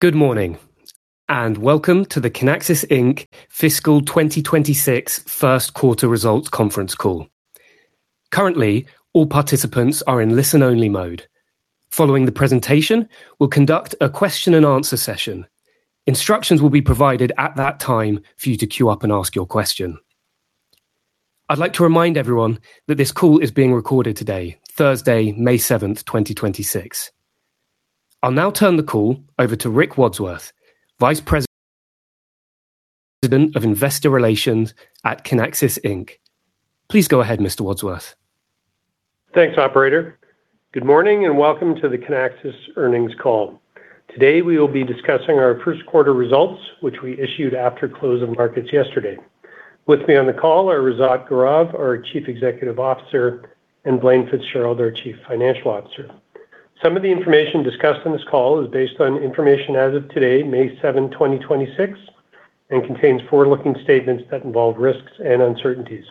Good morning, and welcome to the Kinaxis Inc. fiscal 2026 first quarter results conference call. Currently, all participants are in listen-only mode. Following the presentation, we'll conduct a question and answer session. Instructions will be provided at that time for you to queue up and ask your question. I'd like to remind everyone that this call is being recorded today, Thursday, May 7th, 2026. I'll now turn the call over to Rick Wadsworth, Vice President of Investor Relations at Kinaxis Inc. Please go ahead, Mr. Wadsworth. Thanks, operator. Good morning, welcome to the Kinaxis earnings call. Today, we will be discussing our 1st quarter results, which we issued after close of markets yesterday. With me on the call are Razat Gaurav, our Chief Executive Officer, and Blaine Fitzgerald, our Chief Financial Officer. Some of the information discussed on this call is based on information as of today, May 7th, 2026, contains forward-looking statements that involve risks and uncertainties.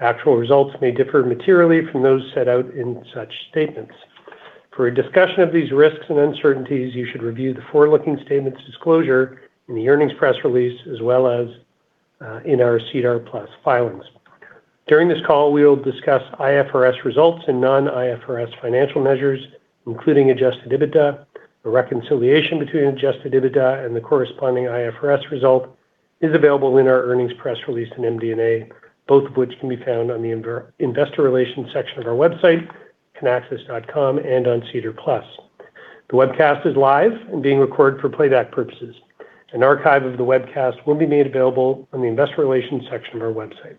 Actual results may differ materially from those set out in such statements. For a discussion of these risks and uncertainties, you should review the forward-looking statements disclosure in the earnings press release, as well as in our SEDAR+ filings. During this call, we will discuss IFRS results and non-IFRS financial measures, including adjusted EBITDA. The reconciliation between adjusted EBITDA and the corresponding IFRS result is available in our earnings press release in MD&A, both of which can be found on the investor relations section of our website, kinaxis.com and on SEDAR+. The webcast is live and being recorded for playback purposes. An archive of the webcast will be made available on the investor relations section of our website.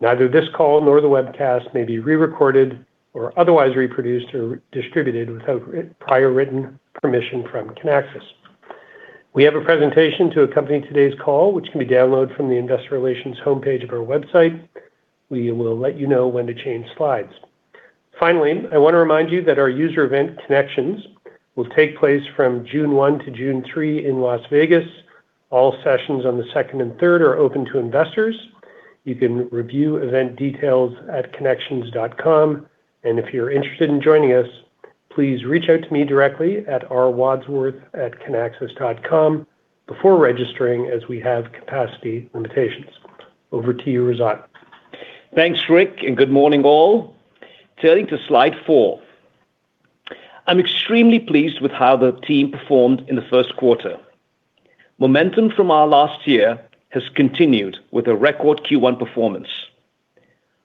Neither this call nor the webcast may be re-recorded or otherwise reproduced or distributed without prior written permission from Kinaxis. We have a presentation to accompany today's call, which can be downloaded from the investor relations homepage of our website. We will let you know when to change slides. Finally, I want to remind you that our user event Kinexions will take place from June 1 to June 3 in Las Vegas. All sessions on the second and third are open to investors. You can review event details at kinexions.com. If you're interested in joining us, please reach out to me directly at rwadsworth@kinaxis.com before registering as we have capacity limitations. Over to you, Razat. Thanks, Rick, and good morning all. Turning to slide four. I'm extremely pleased with how the team performed in the first quarter. Momentum from our last year has continued with a record Q1 performance.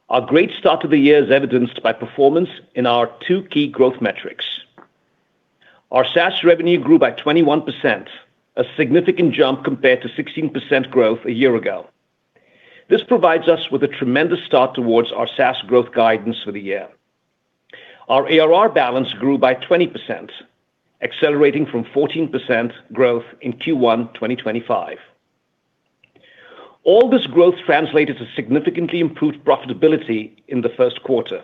Our great start to the year is evidenced by performance in our two key growth metrics. Our SaaS revenue grew by 21%, a significant jump compared to 16% growth a year ago. This provides us with a tremendous start towards our SaaS growth guidance for the year. Our ARR balance grew by 20%, accelerating from 14% growth in Q1 2025. All this growth translated to significantly improved profitability in the first quarter.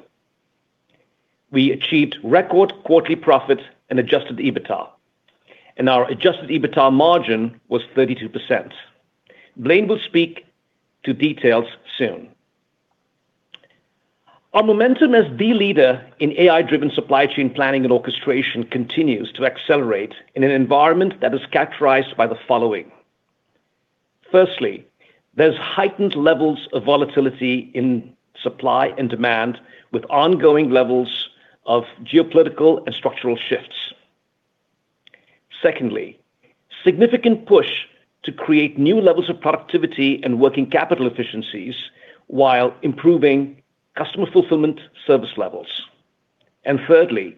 We achieved record quarterly profit and adjusted EBITDA, and our adjusted EBITDA margin was 32%. Blaine will speak to details soon. Our momentum as the leader in AI-driven supply chain planning and orchestration continues to accelerate in an environment that is characterized by the following. Firstly, there's heightened levels of volatility in supply and demand with ongoing levels of geopolitical and structural shifts. Secondly, significant push to create new levels of productivity and working capital efficiencies while improving customer fulfillment service levels. Thirdly,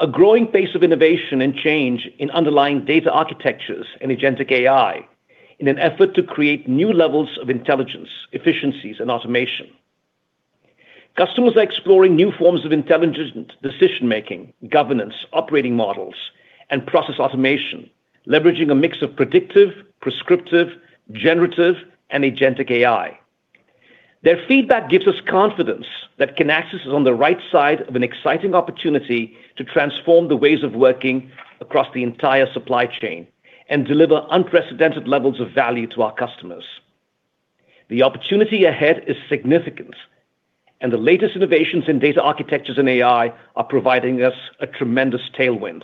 a growing pace of innovation and change in underlying data architectures and agentic AI in an effort to create new levels of intelligence, efficiencies, and automation. Customers are exploring new forms of intelligent decision-making, governance, operating models, and process automation, leveraging a mix of predictive, prescriptive, generative, and agentic AI. Their feedback gives us confidence that Kinaxis is on the right side of an exciting opportunity to transform the ways of working across the entire supply chain and deliver unprecedented levels of value to our customers. The opportunity ahead is significant, and the latest innovations in data architectures and AI are providing us a tremendous tailwind.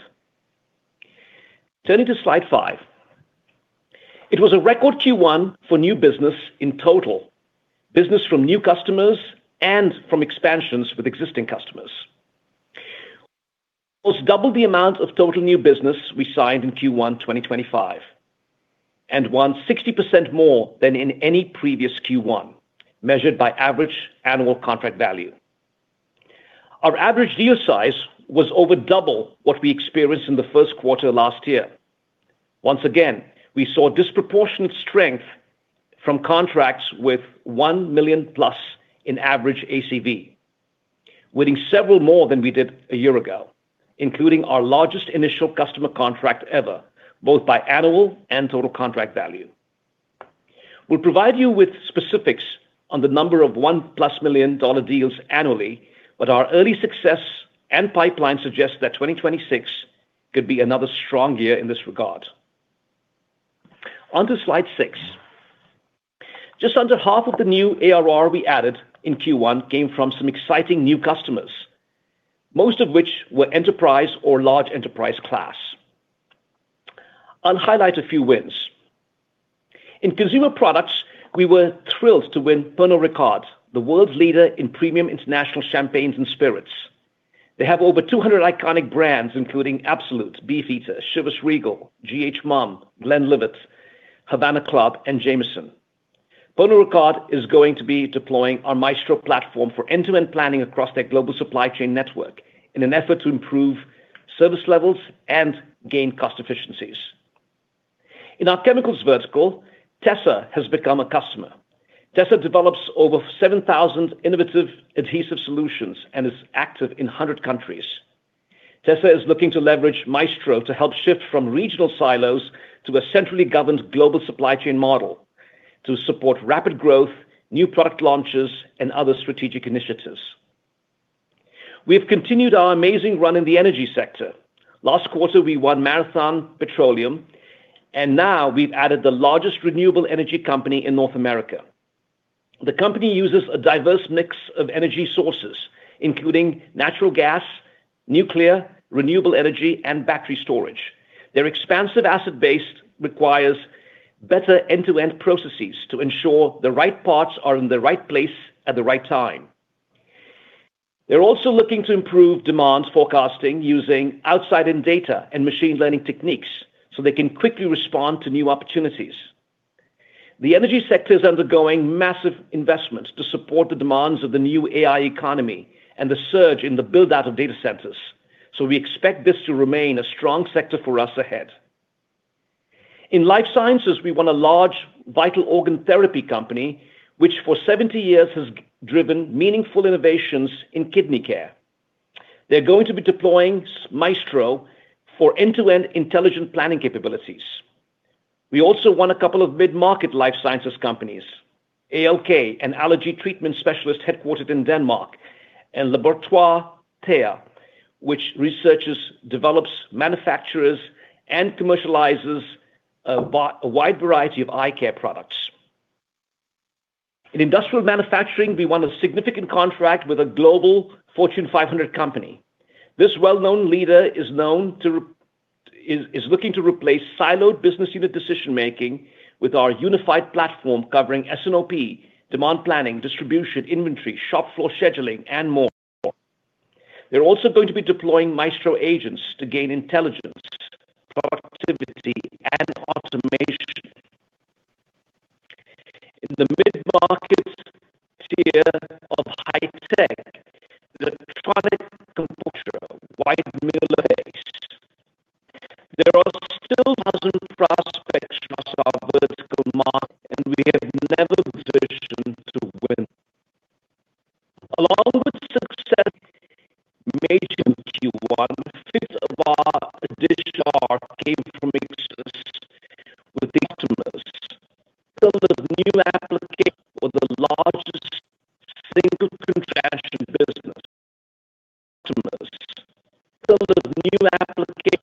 Turning to slide five. It was a record Q1 for new business in total, business from new customers and from expansions with existing customers. Almost double the amount of total new business we signed in Q1 2025, and won 60% more than in any previous Q1, measured by average annual contract value. Our average deal size was over double what we experienced in the first quarter last year. Once again, we saw disproportionate strength from contracts with $1 million+ in average ACV, winning several more than we did a year ago, including our largest initial customer contract ever, both by annual and total contract value. We'll provide you with specifics on the number of $1 million+ deals annually. Our early success and pipeline suggests that 2026 could be another strong year in this regard. On to slide six. Just under half of the new ARR we added in Q1 came from some exciting new customers, most of which were enterprise or large enterprise class. I'll highlight a few wins. In consumer products, we were thrilled to win Pernod Ricard, the world's leader in premium international champagnes and spirits. They have over 200 iconic brands, including Absolut, Beefeater, Chivas Regal, G.H.Mumm, The Glenlivet, Havana Club, and Jameson. Pernod Ricard is going to be deploying our Maestro platform for end-to-end planning across their global supply chain network in an effort to improve service levels and gain cost efficiencies. In our chemicals vertical, tesa has become a customer. tesa develops over 7,000 innovative adhesive solutions and is active in 100 countries. tesa is looking to leverage Maestro to help shift from regional silos to a centrally governed global supply chain model to support rapid growth, new product launches, and other strategic initiatives. We've continued our amazing run in the energy sector. Last quarter, we won Marathon Petroleum, and now we've added the largest renewable energy company in North America. The company uses a diverse mix of energy sources, including natural gas, nuclear, renewable energy, and battery storage. Their expansive asset base requires better end-to-end processes to ensure the right parts are in the right place at the right time. They're also looking to improve demand forecasting using outside-in data and machine learning techniques so they can quickly respond to new opportunities. The energy sector is undergoing massive investments to support the demands of the new AI economy and the surge in the build-out of data centers. We expect this to remain a strong sector for us ahead. In life sciences, we won a large vital organ therapy company, which for 70 years has driven meaningful innovations in kidney care. They're going to be deploying Maestro for end-to-end intelligent planning capabilities. We also won a couple of mid-market life sciences companies, ALK, an allergy treatment specialist headquartered in Denmark, and Laboratoires Théa, which researches, develops, manufactures, and commercializes a wide variety of eye care products. In industrial manufacturing, we won a significant contract with a global Fortune 500 company. This well-known leader is looking to replace siloed business unit decision-making with our unified platform covering S&OP, demand planning, distribution, inventory, shop floor scheduling, and more. They're also going to be deploying Maestro Agents to gain intelligence, productivity, and automation. In the mid-market tier of high-tech, electronic computer, [wide mirrorless]. There are still dozens prospects across our vertical market, we have never positioned to win. Along with success made in Q1, fifth of our additional came from existing customers. Build of new applications was the largest single transaction business customers. Build of new applications was the largest single transaction business.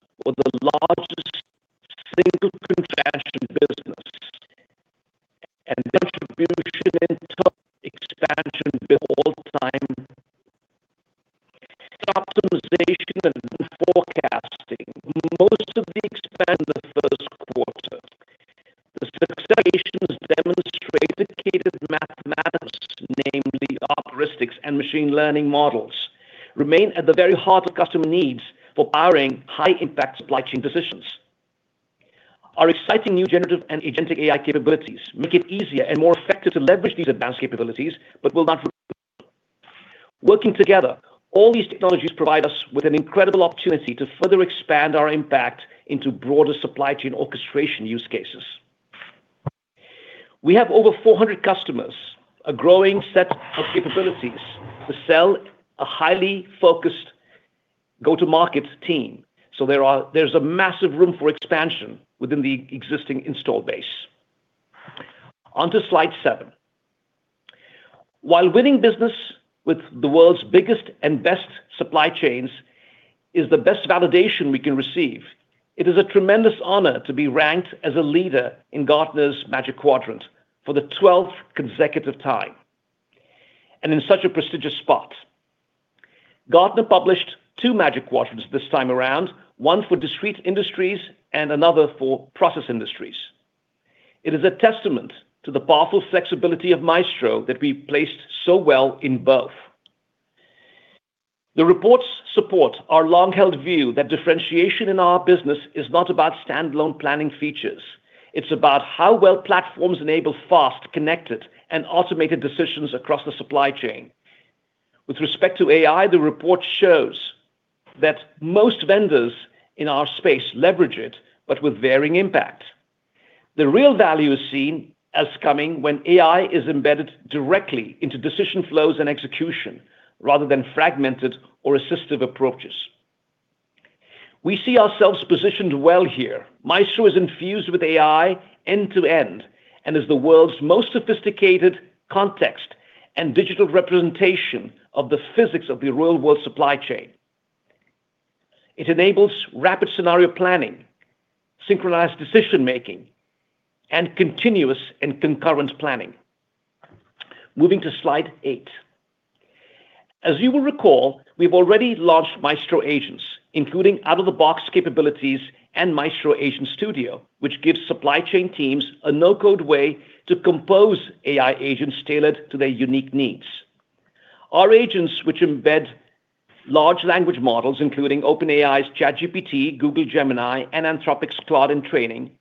Distribution and expansion built all time. Optimization and forecasting, most of the expand the first quarter. The success demonstrated sophisticated mathematics, namely [characteristics] and machine learning models, remain at the very heart of customer needs for powering high-impact supply chain decisions. Our exciting new generative and agentic AI capabilities make it easier and more effective to leverage these advanced capabilities. Working together, all these technologies provide us with an incredible opportunity to further expand our impact into broader supply chain orchestration use cases. We have over 400 customers, a growing set of capabilities to sell a highly focused go-to-market team. There's a massive room for expansion within the existing install base. On to slide seven. While winning business with the world's biggest and best supply chains is the best validation we can receive, it is a tremendous honor to be ranked as a leader in Gartner's Magic Quadrant for the 12th consecutive time, and in such a prestigious spot. Gartner published two Magic Quadrants this time around, one for discrete industries and another for process industries. It is a testament to the powerful flexibility of Maestro that we placed so well in both. The reports support our long-held view that differentiation in our business is not about standalone planning features. It is about how well platforms enable fast, connected, and automated decisions across the supply chain. With respect to AI, the report shows that most vendors in our space leverage it, but with varying impact. The real value is seen as coming when AI is embedded directly into decision flows and execution rather than fragmented or assistive approaches. We see ourselves positioned well here. Maestro is infused with AI end-to-end and is the world's most sophisticated context and digital representation of the physics of the real-world supply chain. It enables rapid scenario planning, synchronized decision-making, and continuous and concurrent planning. Moving to slide eight. As you will recall, we've already launched Maestro Agents, including out-of-the-box capabilities and Maestro Agent Studio, which gives supply chain teams a no-code way to compose AI agents tailored to their unique needs. Our agents, which embed large language models, including OpenAI's ChatGPT, Google Gemini, and Anthropic's Claude in training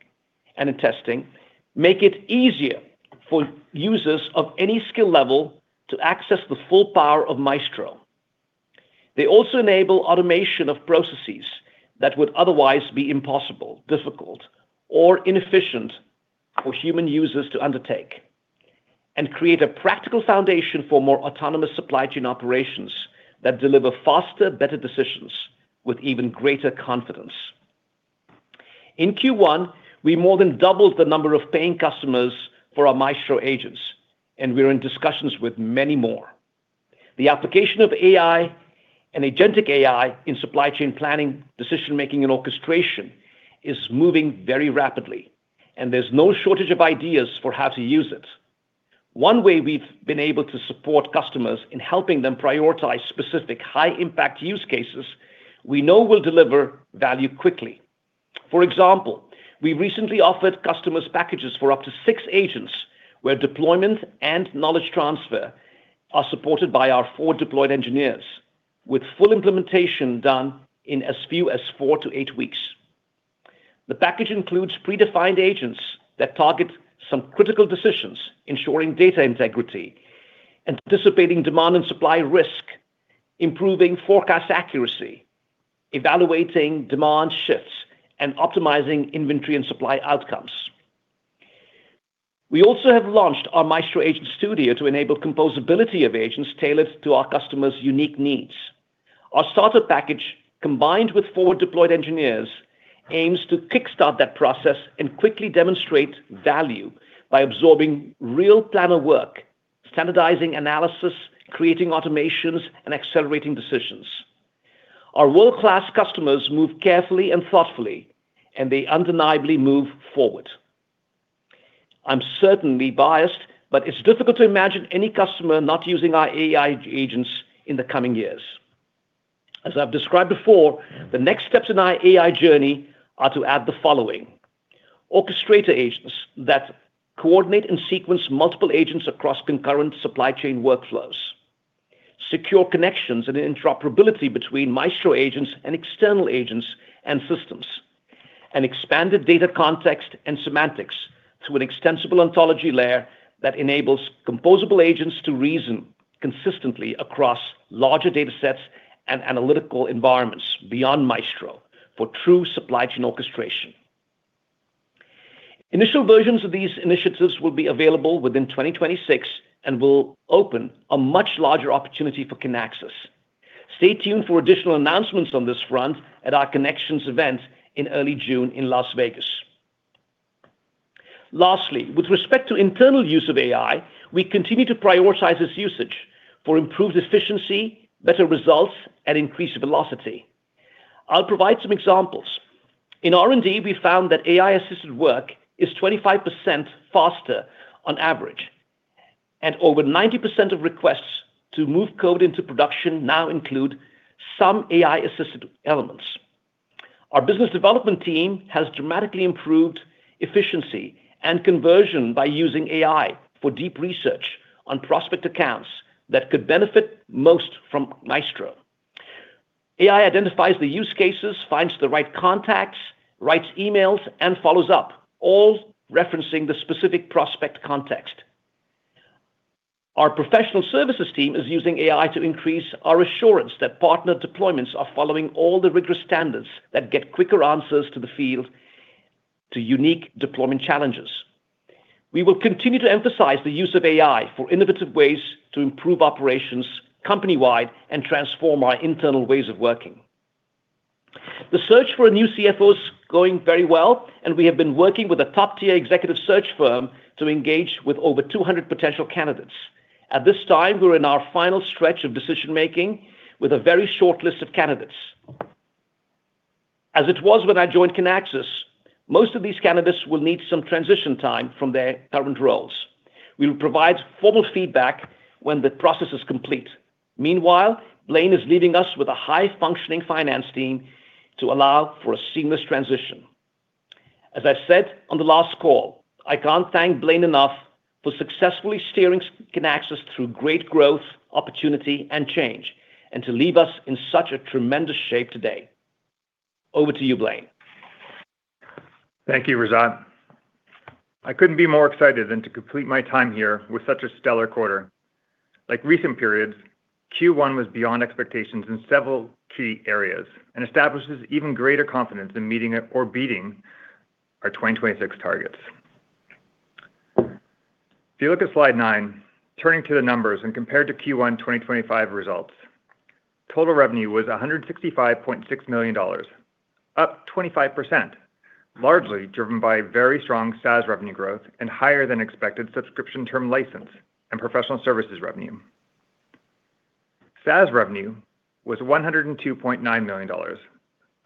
and in testing, make it easier for users of any skill level to access the full power of Maestro. They also enable automation of processes that would otherwise be impossible, difficult, or inefficient for human users to undertake, and create a practical foundation for more autonomous supply chain operations that deliver faster, better decisions with even greater confidence. In Q1, we more than doubled the number of paying customers for our Maestro Agents, and we're in discussions with many more. The application of AI and agentic AI in supply chain planning, decision-making, and orchestration is moving very rapidly, and there's no shortage of ideas for how to use it. One way we've been able to support customers in helping them prioritize specific high-impact use cases we know will deliver value quickly. For example, we recently offered customers packages for up to six agents where deployment and knowledge transfer are supported by our forward deployed engineers, with full implementation done in as few as four to eight weeks. The package includes predefined agents that target some critical decisions, ensuring data integrity, anticipating demand and supply risk, improving forecast accuracy, evaluating demand shifts, and optimizing inventory and supply outcomes. We also have launched our Maestro Agent Studio to enable composability of agents tailored to our customers' unique needs. Our starter package, combined with forward deployed engineers, aims to kickstart that process and quickly demonstrate value by absorbing real planner work, standardizing analysis, creating automations, and accelerating decisions. Our world-class customers move carefully and thoughtfully, and they undeniably move forward. I'm certainly biased, but it's difficult to imagine any customer not using our AI agents in the coming years. As I've described before, the next steps in our AI journey are to add the following, orchestrator agents that coordinate and sequence multiple agents across concurrent supply chain workflows, secure connections and interoperability between Maestro agents and external agents and systems, and expanded data context and semantics through an extensible ontology layer that enables composable agents to reason consistently across larger data sets and analytical environments beyond Maestro for true supply chain orchestration. Initial versions of these initiatives will be available within 2026 and will open a much larger opportunity for Kinaxis. Stay tuned for additional announcements on this front at our Kinexions event in early June in Las Vegas. Lastly, with respect to internal use of AI, we continue to prioritize this usage for improved efficiency, better results, and increased velocity. I'll provide some examples. In R&D, we found that AI-assisted work is 25% faster on average, and over 90% of requests to move code into production now include some AI-assisted elements. Our business development team has dramatically improved efficiency and conversion by using AI for deep research on prospect accounts that could benefit most from Maestro. AI identifies the use cases, finds the right contacts, writes emails, and follows up, all referencing the specific prospect context. Our professional services team is using AI to increase our assurance that partner deployments are following all the rigorous standards that get quicker answers to the field to unique deployment challenges. We will continue to emphasize the use of AI for innovative ways to improve operations company-wide and transform our internal ways of working. The search for a new CFO is going very well, and we have been working with a top-tier executive search firm to engage with over 200 potential candidates. At this time, we're in our final stretch of decision-making with a very short list of candidates. As it was when I joined Kinaxis, most of these candidates will need some transition time from their current roles. We will provide formal feedback when the process is complete. Meanwhile, Blaine is leaving us with a high-functioning finance team to allow for a seamless transition. As I said on the last call, I can't thank Blaine enough for successfully steering Kinaxis through great growth, opportunity, and change, and to leave us in such a tremendous shape today. Over to you, Blaine. Thank you, Razat. I couldn't be more excited than to complete my time here with such a stellar quarter. Like recent periods, Q1 was beyond expectations in several key areas and establishes even greater confidence in meeting or beating our 2026 targets. If you look at slide nine, turning to the numbers and compared to Q1 2025 results, total revenue was $165.6 million, up 25%, largely driven by very strong SaaS revenue growth and higher than expected subscription term license and professional services revenue. SaaS revenue was $102.9 million,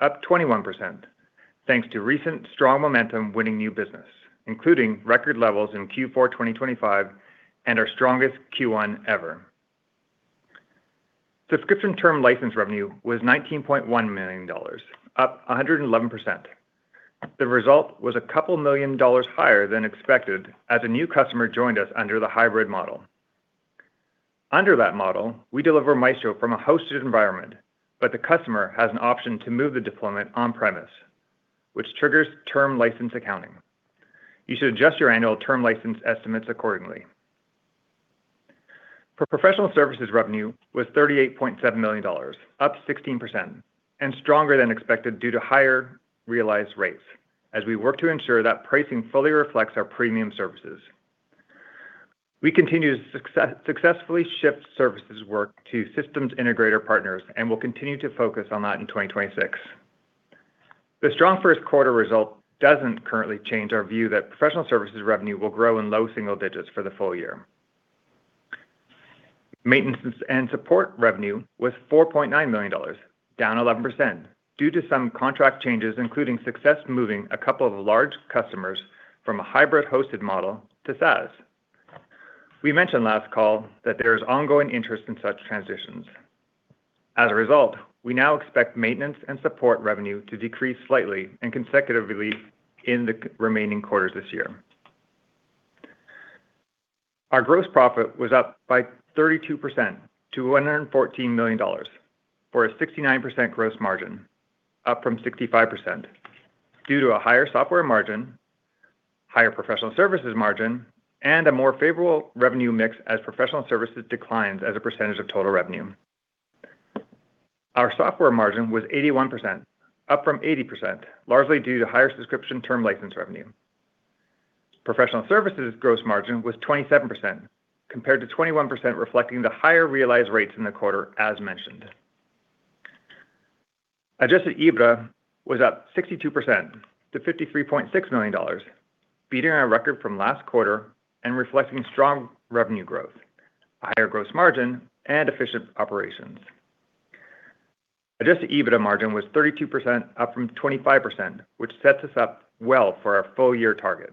up 21%, thanks to recent strong momentum winning new business, including record levels in Q4 2025 and our strongest Q1 ever. Subscription term license revenue was $19.1 million, up 111%. The result was a couple million dollars higher than expected as a new customer joined us under the hybrid model. Under that model, we deliver Maestro from a hosted environment, but the customer has an option to move the deployment on-premise, which triggers term license accounting. You should adjust your annual term license estimates accordingly. Professional services revenue was $38.7 million, up 16%, and stronger than expected due to higher realized rates, as we work to ensure that pricing fully reflects our premium services. We continue to successfully shift services work to systems integrator partners, and will continue to focus on that in 2026. The strong first quarter result doesn't currently change our view that professional services revenue will grow in low single digits for the full year. Maintenance and support revenue was $4.9 million, down 11%, due to some contract changes including success moving a couple of large customers from a hybrid hosted model to SaaS. We mentioned last call that there is ongoing interest in such transitions. As a result, we now expect maintenance and support revenue to decrease slightly and consecutively in the remaining quarters this year. Our gross profit was up by 32% to $114 million, for a 69% gross margin, up from 65%, due to a higher software margin, higher professional services margin, and a more favorable revenue mix as professional services declines as a percentage of total revenue. Our software margin was 81%, up from 80%, largely due to higher subscription term license revenue. Professional services gross margin was 27%, compared to 21%, reflecting the higher realized rates in the quarter, as mentioned. Adjusted EBITDA was up 62% to $53.6 million, beating our record from last quarter and reflecting strong revenue growth, higher gross margin, and efficient operations. Adjusted EBITDA margin was 32%, up from 25%, which sets us up well for our full year target.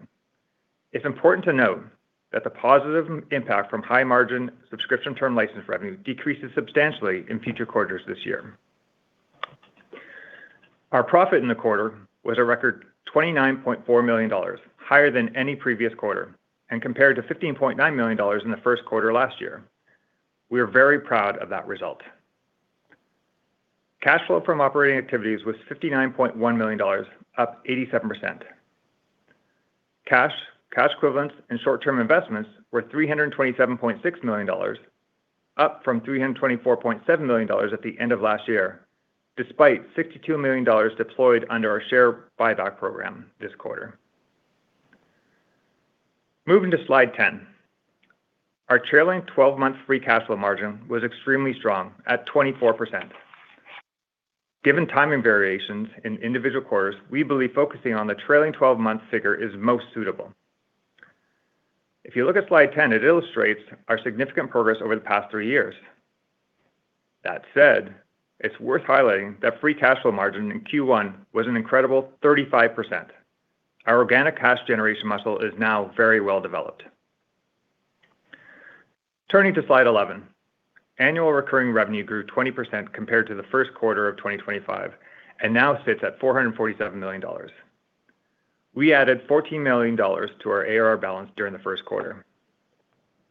It's important to note that the positive impact from high margin subscription term license revenue decreases substantially in future quarters this year. Our profit in the quarter was a record $29.4 million, higher than any previous quarter, and compared to $15.9 million in the first quarter last year. We are very proud of that result. Cash flow from operating activities was $59.1 million, up 87%. Cash, cash equivalents, and short-term investments were $327.6 million, up from $324.7 million at the end of last year, despite $62 million deployed under our share buyback program this quarter. Moving to slide 10. Our trailing 12-month free cash flow margin was extremely strong at 24%. Given timing variations in individual quarters, we believe focusing on the trailing 12-month figure is most suitable. If you look at slide 10, it illustrates our significant progress over the past three years. That said, it's worth highlighting that free cash flow margin in Q1 was an incredible 35%. Our organic cash generation muscle is now very well developed. Turning to slide 11. Annual recurring revenue grew 20% compared to the first quarter of 2025, and now sits at $447 million. We added $14 million to our ARR balance during the first quarter.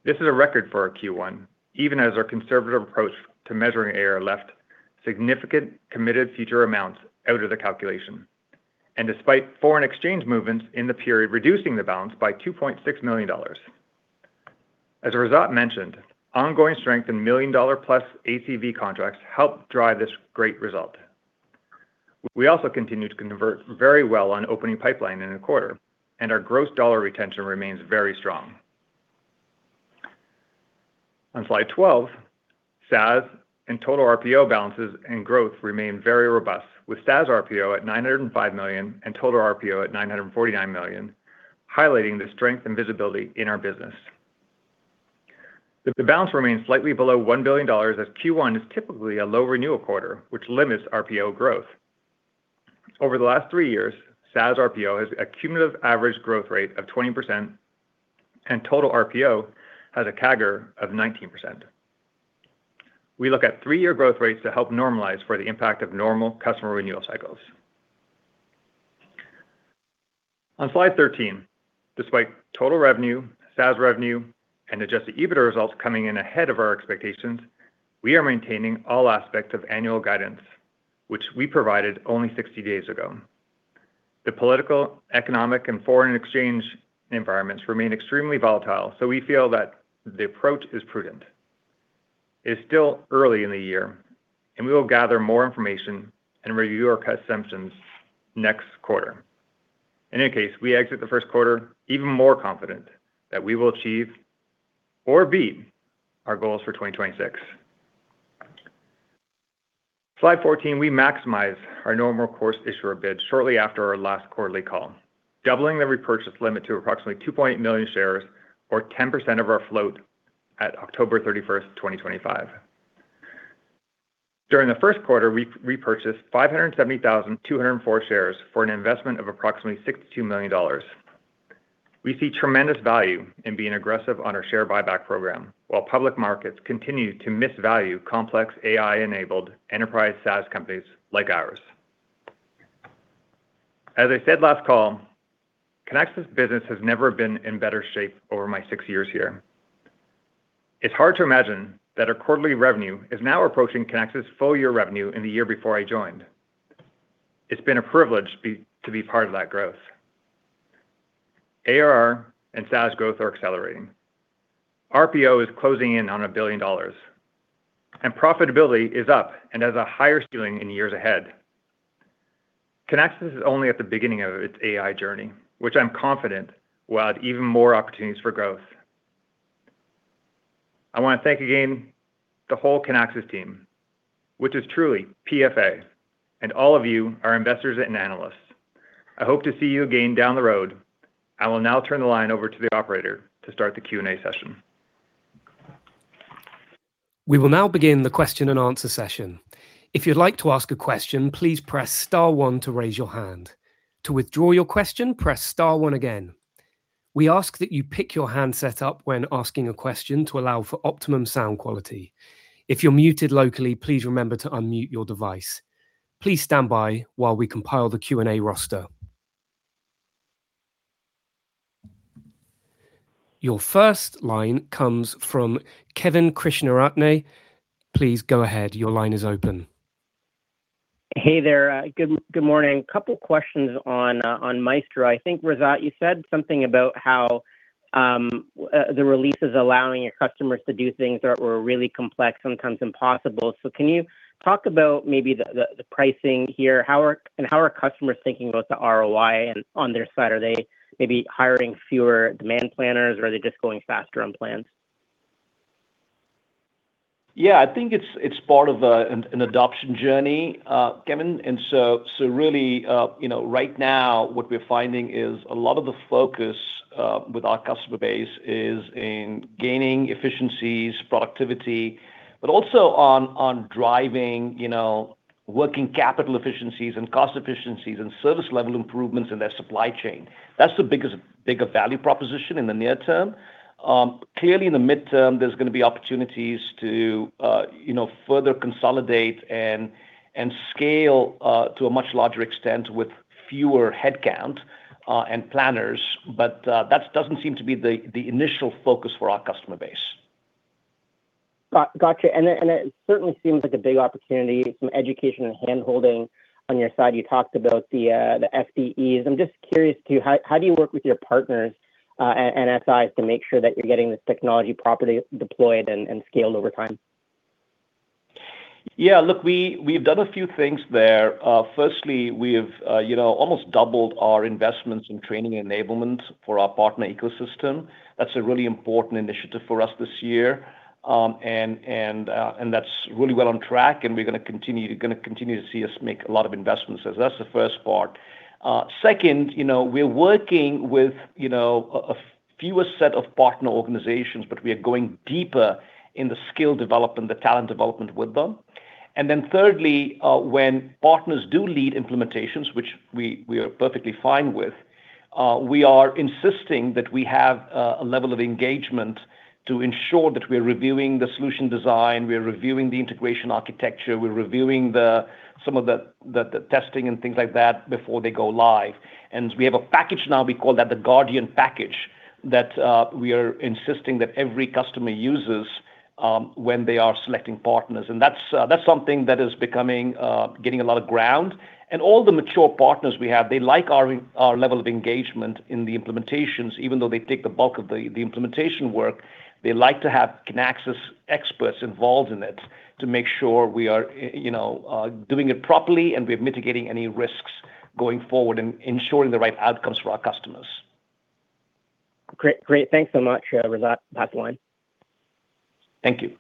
This is a record for our Q1, even as our conservative approach to measuring ARR left significant committed future amounts out of the calculation, and despite foreign exchange movements in the period reducing the balance by $2.6 million. As Razat mentioned, ongoing strength in $1 million+ ACV contracts helped drive this great result. We also continue to convert very well on opening pipeline in a quarter, and our gross dollar retention remains very strong. On slide 12, SaaS and total RPO balances and growth remain very robust, with SaaS RPO at $905 million and total RPO at $949 million, highlighting the strength and visibility in our business. The balance remains slightly below $1 billion as Q1 is typically a low renewal quarter, which limits RPO growth. Over the last three years, SaaS RPO has a cumulative average growth rate of 20%, and total RPO has a CAGR of 19%. We look at three-year growth rates to help normalize for the impact of normal customer renewal cycles. On slide 13, despite total revenue, SaaS revenue, and adjusted EBITDA results coming in ahead of our expectations, we are maintaining all aspects of annual guidance, which we provided only 60 days ago. The political, economic, and foreign exchange environments remain extremely volatile, so we feel that the approach is prudent. It's still early in the year, and we will gather more information and review our assumptions next quarter. In any case, we exit the first quarter even more confident that we will achieve or beat our goals for 2026. Slide 14, we maximize our Normal Course Issuer Bid shortly after our last quarterly call, doubling the repurchase limit to approximately 2.8 million shares or 10% of our float at October 31st, 2025. During the first quarter, we repurchased 570,204 shares for an investment of approximately $62 million. We see tremendous value in being aggressive on our share buyback program, while public markets continue to misvalue complex AI-enabled enterprise SaaS companies like ours. As I said last call, Kinaxis business has never been in better shape over my six years here. It's hard to imagine that our quarterly revenue is now approaching Kinaxis' full year revenue in the year before I joined. It's been a privilege to be part of that growth. ARR and SaaS growth are accelerating. RPO is closing in on $1 billion, and profitability is up and has a higher ceiling in years ahead. Kinaxis is only at the beginning of its AI journey, which I'm confident will add even more opportunities for growth. I want to thank again the whole Kinaxis team, which is truly PFA, and all of you, our investors and analysts. I hope to see you again down the road. I will now turn the line over to the operator to start the Q&A session. We will now begin the question-and-answer session. If you'd like to ask a question, please press star one to raise your hand. To withdraw your question, press star one again. We ask that you pick your hand setup when asking a question to allow for optimum sound quality. If you're muted locally, please remember to unmute your device. Please stand by while we compile the Q&A roster. Your first line comes from Kevin Krishnaratne. Please go ahead. Hey there. Good morning. A couple questions on Maestro. I think, Razat, you said something about how the release is allowing your customers to do things that were really complex, sometimes impossible. Can you talk about maybe the pricing here? How are customers thinking about the ROI and on their side, are they maybe hiring fewer demand planners, or are they just going faster on plans? Yeah, I think it's part of an adoption journey, Kevin. So really, you know, right now, what we're finding is a lot of the focus with our customer base is in gaining efficiencies, productivity, but also on driving, you know, working capital efficiencies, and cost efficiencies, and service level improvements in their supply chain. That's the biggest value proposition in the near term. Clearly, in the midterm, there's gonna be opportunities to, you know, further consolidate and scale to a much larger extent with fewer headcount and planners. That doesn't seem to be the initial focus for our customer base. Gotcha. It certainly seems like a big opportunity, some education and hand-holding on your side. You talked about the FDEs. I'm just curious to how do you work with your partners and SIs to make sure that you're getting this technology properly deployed and scaled over time? Yeah, we've done a few things there. Firstly, we've, you know, almost doubled our investments in training enablement for our partner ecosystem. That's a really important initiative for us this year. That's really well on track, and we're gonna continue to see us make a lot of investments. That's the first part. Second, you know, we're working with, you know, a fewer set of partner organizations, but we are going deeper in the skill development, the talent development with them. Thirdly, when partners do lead implementations, which we are perfectly fine with, we are insisting that we have a level of engagement to ensure that we're reviewing the solution design, we're reviewing the integration architecture, we're reviewing some of the testing and things like that before they go live. We have a package now, we call that the Guardian Package, that we are insisting that every customer uses when they are selecting partners. That's something that is becoming getting a lot of ground. All the mature partners we have, they like our level of engagement in the implementations, even though they take the bulk of the implementation work. They like to have Kinaxis experts involved in it to make sure we are, you know, doing it properly, and we're mitigating any risks going forward and ensuring the right outcomes for our customers. Great. Great. Thanks so much, Razat. That's one. Thank you.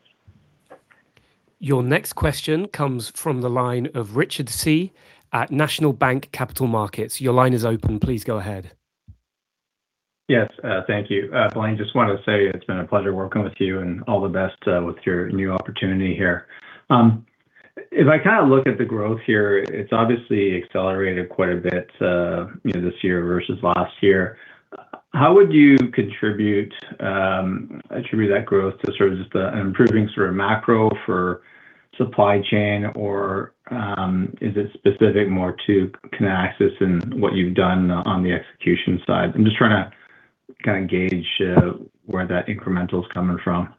Your next question comes from the line of Richard Tse at National Bank Capital Markets. Your line is open. Please go ahead. Yes, thank you. Blaine, just wanted to say it's been a pleasure working with you and all the best with your new opportunity here. If I kinda look at the growth here, it's obviously accelerated quite a bit, you know, this year versus last year. How would you attribute that growth to sort of just the improving sort of macro for supply chain, or is it specific more to Kinaxis and what you've done on the execution side? I'm just trying to kinda gauge where that incremental is coming from.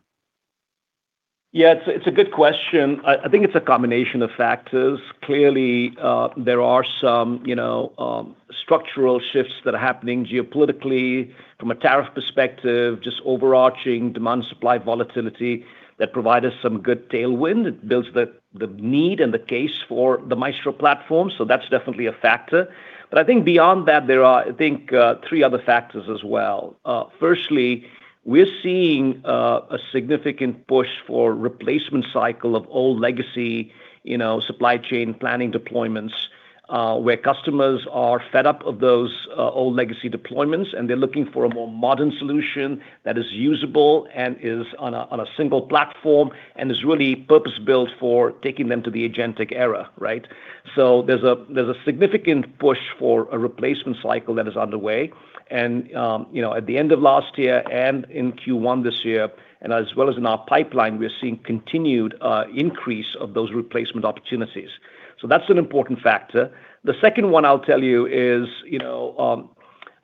Yeah, it's a good question. I think it's a combination of factors. Clearly, there are some, you know, structural shifts that are happening geopolitically from a tariff perspective, just overarching demand supply volatility that provides us some good tailwind. It builds the need and the case for the Maestro platform, so that's definitely a factor. I think beyond that, there are, I think, three other factors as well. Firstly, we're seeing a significant push for replacement cycle of old legacy, you know, supply chain planning deployments, where customers are fed up of those old legacy deployments, and they're looking for a more modern solution that is usable and is on a single platform, and is really purpose-built for taking them to the agentic era, right? There's a significant push for a replacement cycle that is underway and, you know, at the end of last year and in Q1 this year, and as well as in our pipeline, we're seeing continued increase of those replacement opportunities. That's an important factor. The second one I'll tell you is, you know,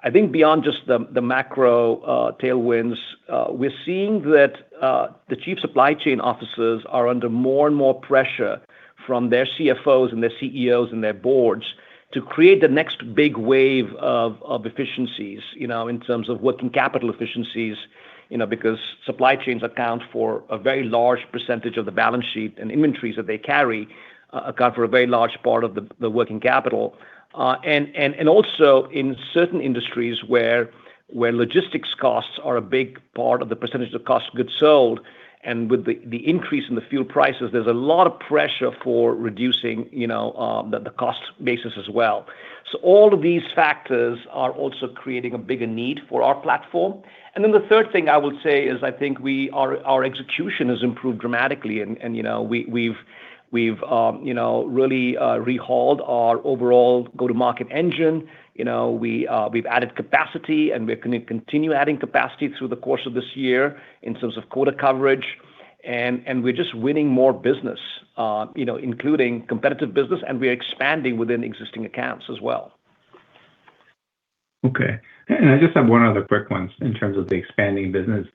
I think beyond just the macro tailwinds, we're seeing that the Chief Supply Chain Officers are under more and more pressure from their CFOs and their CEOs and their boards to create the next big wave of efficiencies, you know, in terms of working capital efficiencies, you know, because supply chains account for a very large percentage of the balance sheet and inventories that they carry, account for a very large part of the working capital. Also in certain industries where logistics costs are a big part of the percentage of cost goods sold, and with the increase in the fuel prices, there's a lot of pressure for reducing, you know, the cost basis as well. All of these factors are also creating a bigger need for our platform. The third thing I would say is I think our execution has improved dramatically and, you know, we've, you know, really rehauled our overall go-to-market engine. We've added capacity, and we're going to continue adding capacity through the course of this year in terms of quota coverage and we're just winning more business, you know, including competitive business, and we're expanding within existing accounts as well. Okay. I just have one other quick one in terms of the expanding business.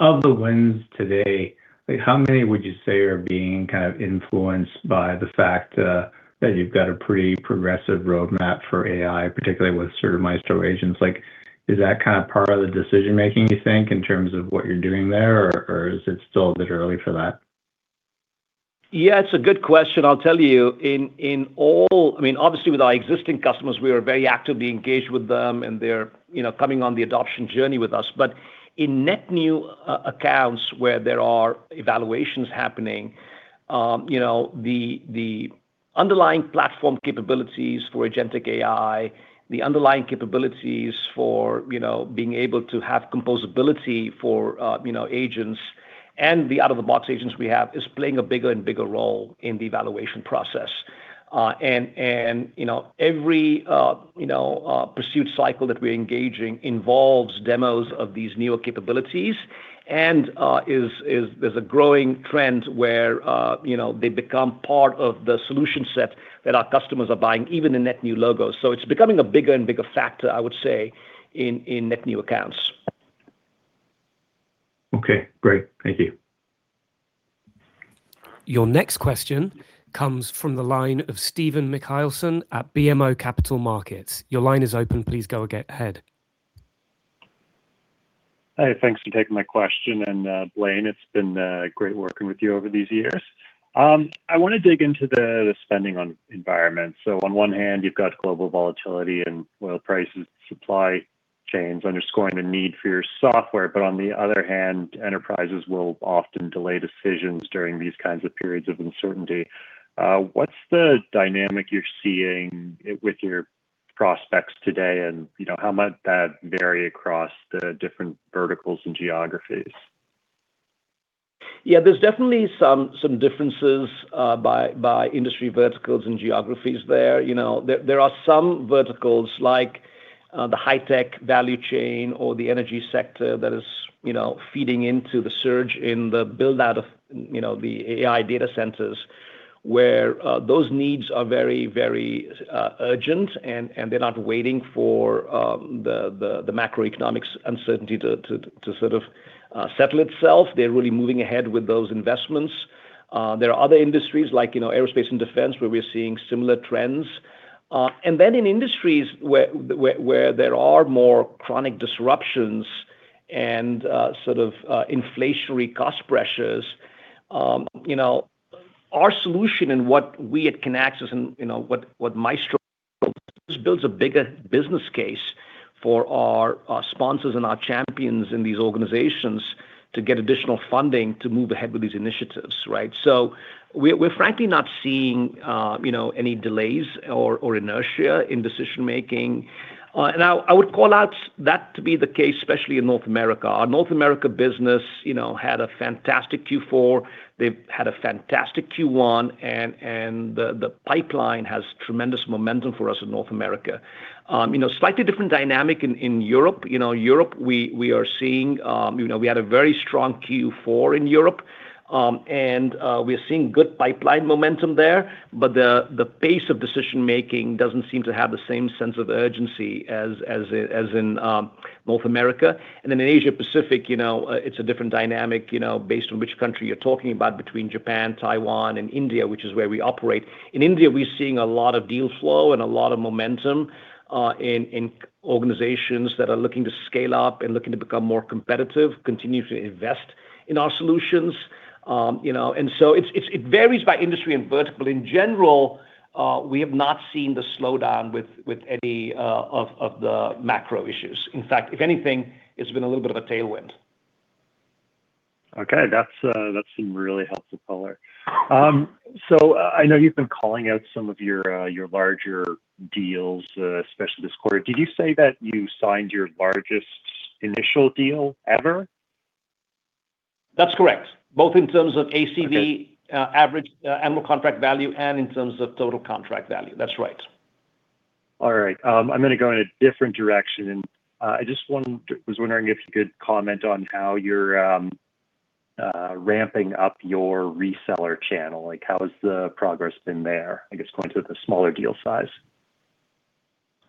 Of the wins today, like how many would you say are being kind of influenced by the fact that you've got a pretty progressive roadmap for AI, particularly with sort of Maestro Agents? Like, is that kind of part of the decision-making, you think, in terms of what you're doing there, or is it still a bit early for that? Yeah, it's a good question. I'll tell you, in all, I mean, obviously with our existing customers, we are very actively engaged with them and they're, you know, coming on the adoption journey with us. In net new accounts where there are evaluations happening, you know, the underlying platform capabilities for agentic AI, the underlying capabilities for, you know, being able to have composability for, you know, agents and the out-of-the-box agents we have is playing a bigger and bigger role in the evaluation process. Every, you know, pursuit cycle that we're engaging involves demos of these newer capabilities and there's a growing trend where, you know, they become part of the solution set that our customers are buying even in net new logos. It's becoming a bigger and bigger factor, I would say, in net new accounts. Okay, great. Thank you. Your next question comes from the line of Stephen Machielsen at BMO Capital Markets. Your line is open. Please go ahead. Hey, thanks or taking my question. Blaine, it's been great working with you over these years. I wanna dig into the spending on environment. On one hand you've got global volatility and oil prices, supply chains underscoring the need for your software, but on the other hand, enterprises will often delay decisions during these kinds of periods of uncertainty. What's the dynamic you're seeing with your prospects today and, you know, how might that vary across the different verticals and geographies? Yeah, there's definitely some differences by industry verticals and geographies there. You know, there are some verticals like the high-tech value chain or the energy sector that is, you know, feeding into the surge in the build-out of, you know, the AI data centers, where those needs are very urgent and they're not waiting for the macroeconomic uncertainty to sort of settle itself. They're really moving ahead with those investments. There are other industries like, you know, aerospace and defense, where we're seeing similar trends. In industries where there are more chronic disruptions and, sort of, inflationary cost pressures, you know, our solution and what we at Kinaxis and, you know, what Maestro builds a bigger business case for our sponsors and our champions in these organizations to get additional funding to move ahead with these initiatives, right? We're frankly not seeing, you know, any delays or inertia in decision-making. I would call out that to be the case, especially in North America. Our North America business, you know, had a fantastic Q4. They've had a fantastic Q1 and the pipeline has tremendous momentum for us in North America. You know, slightly different dynamic in Europe. You know, Europe, we are seeing, you know, we had a very strong Q4 in Europe, and we are seeing good pipeline momentum there, but the pace of decision-making doesn't seem to have the same sense of urgency as in North America. In Asia Pacific, you know, it's a different dynamic, you know, based on which country you're talking about between Japan, Taiwan, and India, which is where we operate. In India, we're seeing a lot of deal flow and a lot of momentum in organizations that are looking to scale up and looking to become more competitive, continue to invest in our solutions. You know, it varies by industry and vertical. In general, we have not seen the slowdown with any of the macro issues. In fact, if anything, it's been a little bit of a tailwind. Okay. That's some really helpful color. I know you've been calling out some of your larger deals, especially this quarter. Did you say that you signed your largest initial deal ever? That's correct. Both in terms of ACV, average annual contract value and in terms of total contract value. That's right. All right. I'm gonna go in a different direction. I was wondering if you could comment on how you're ramping up your reseller channel. Like, how has the progress been there, I guess going through the smaller deal size?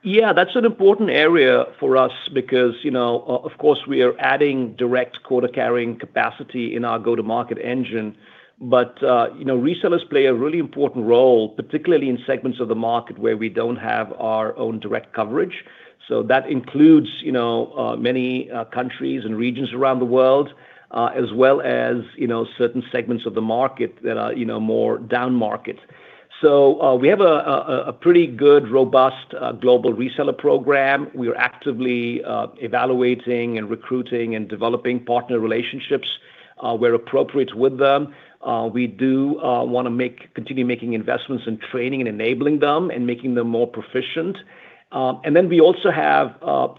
Yeah, that's an important area for us because, you know, of course, we are adding direct quota carrying capacity in our go-to-market engine. You know, resellers play a really important role, particularly in segments of the market where we don't have our own direct coverage. That includes, you know, many countries and regions around the world, as well as, you know, certain segments of the market that are, you know, more down-market. We have a pretty good, robust, global reseller program. We are actively evaluating and recruiting and developing partner relationships where appropriate with them. We do wanna continue making investments in training and enabling them and making them more proficient. Then we also have,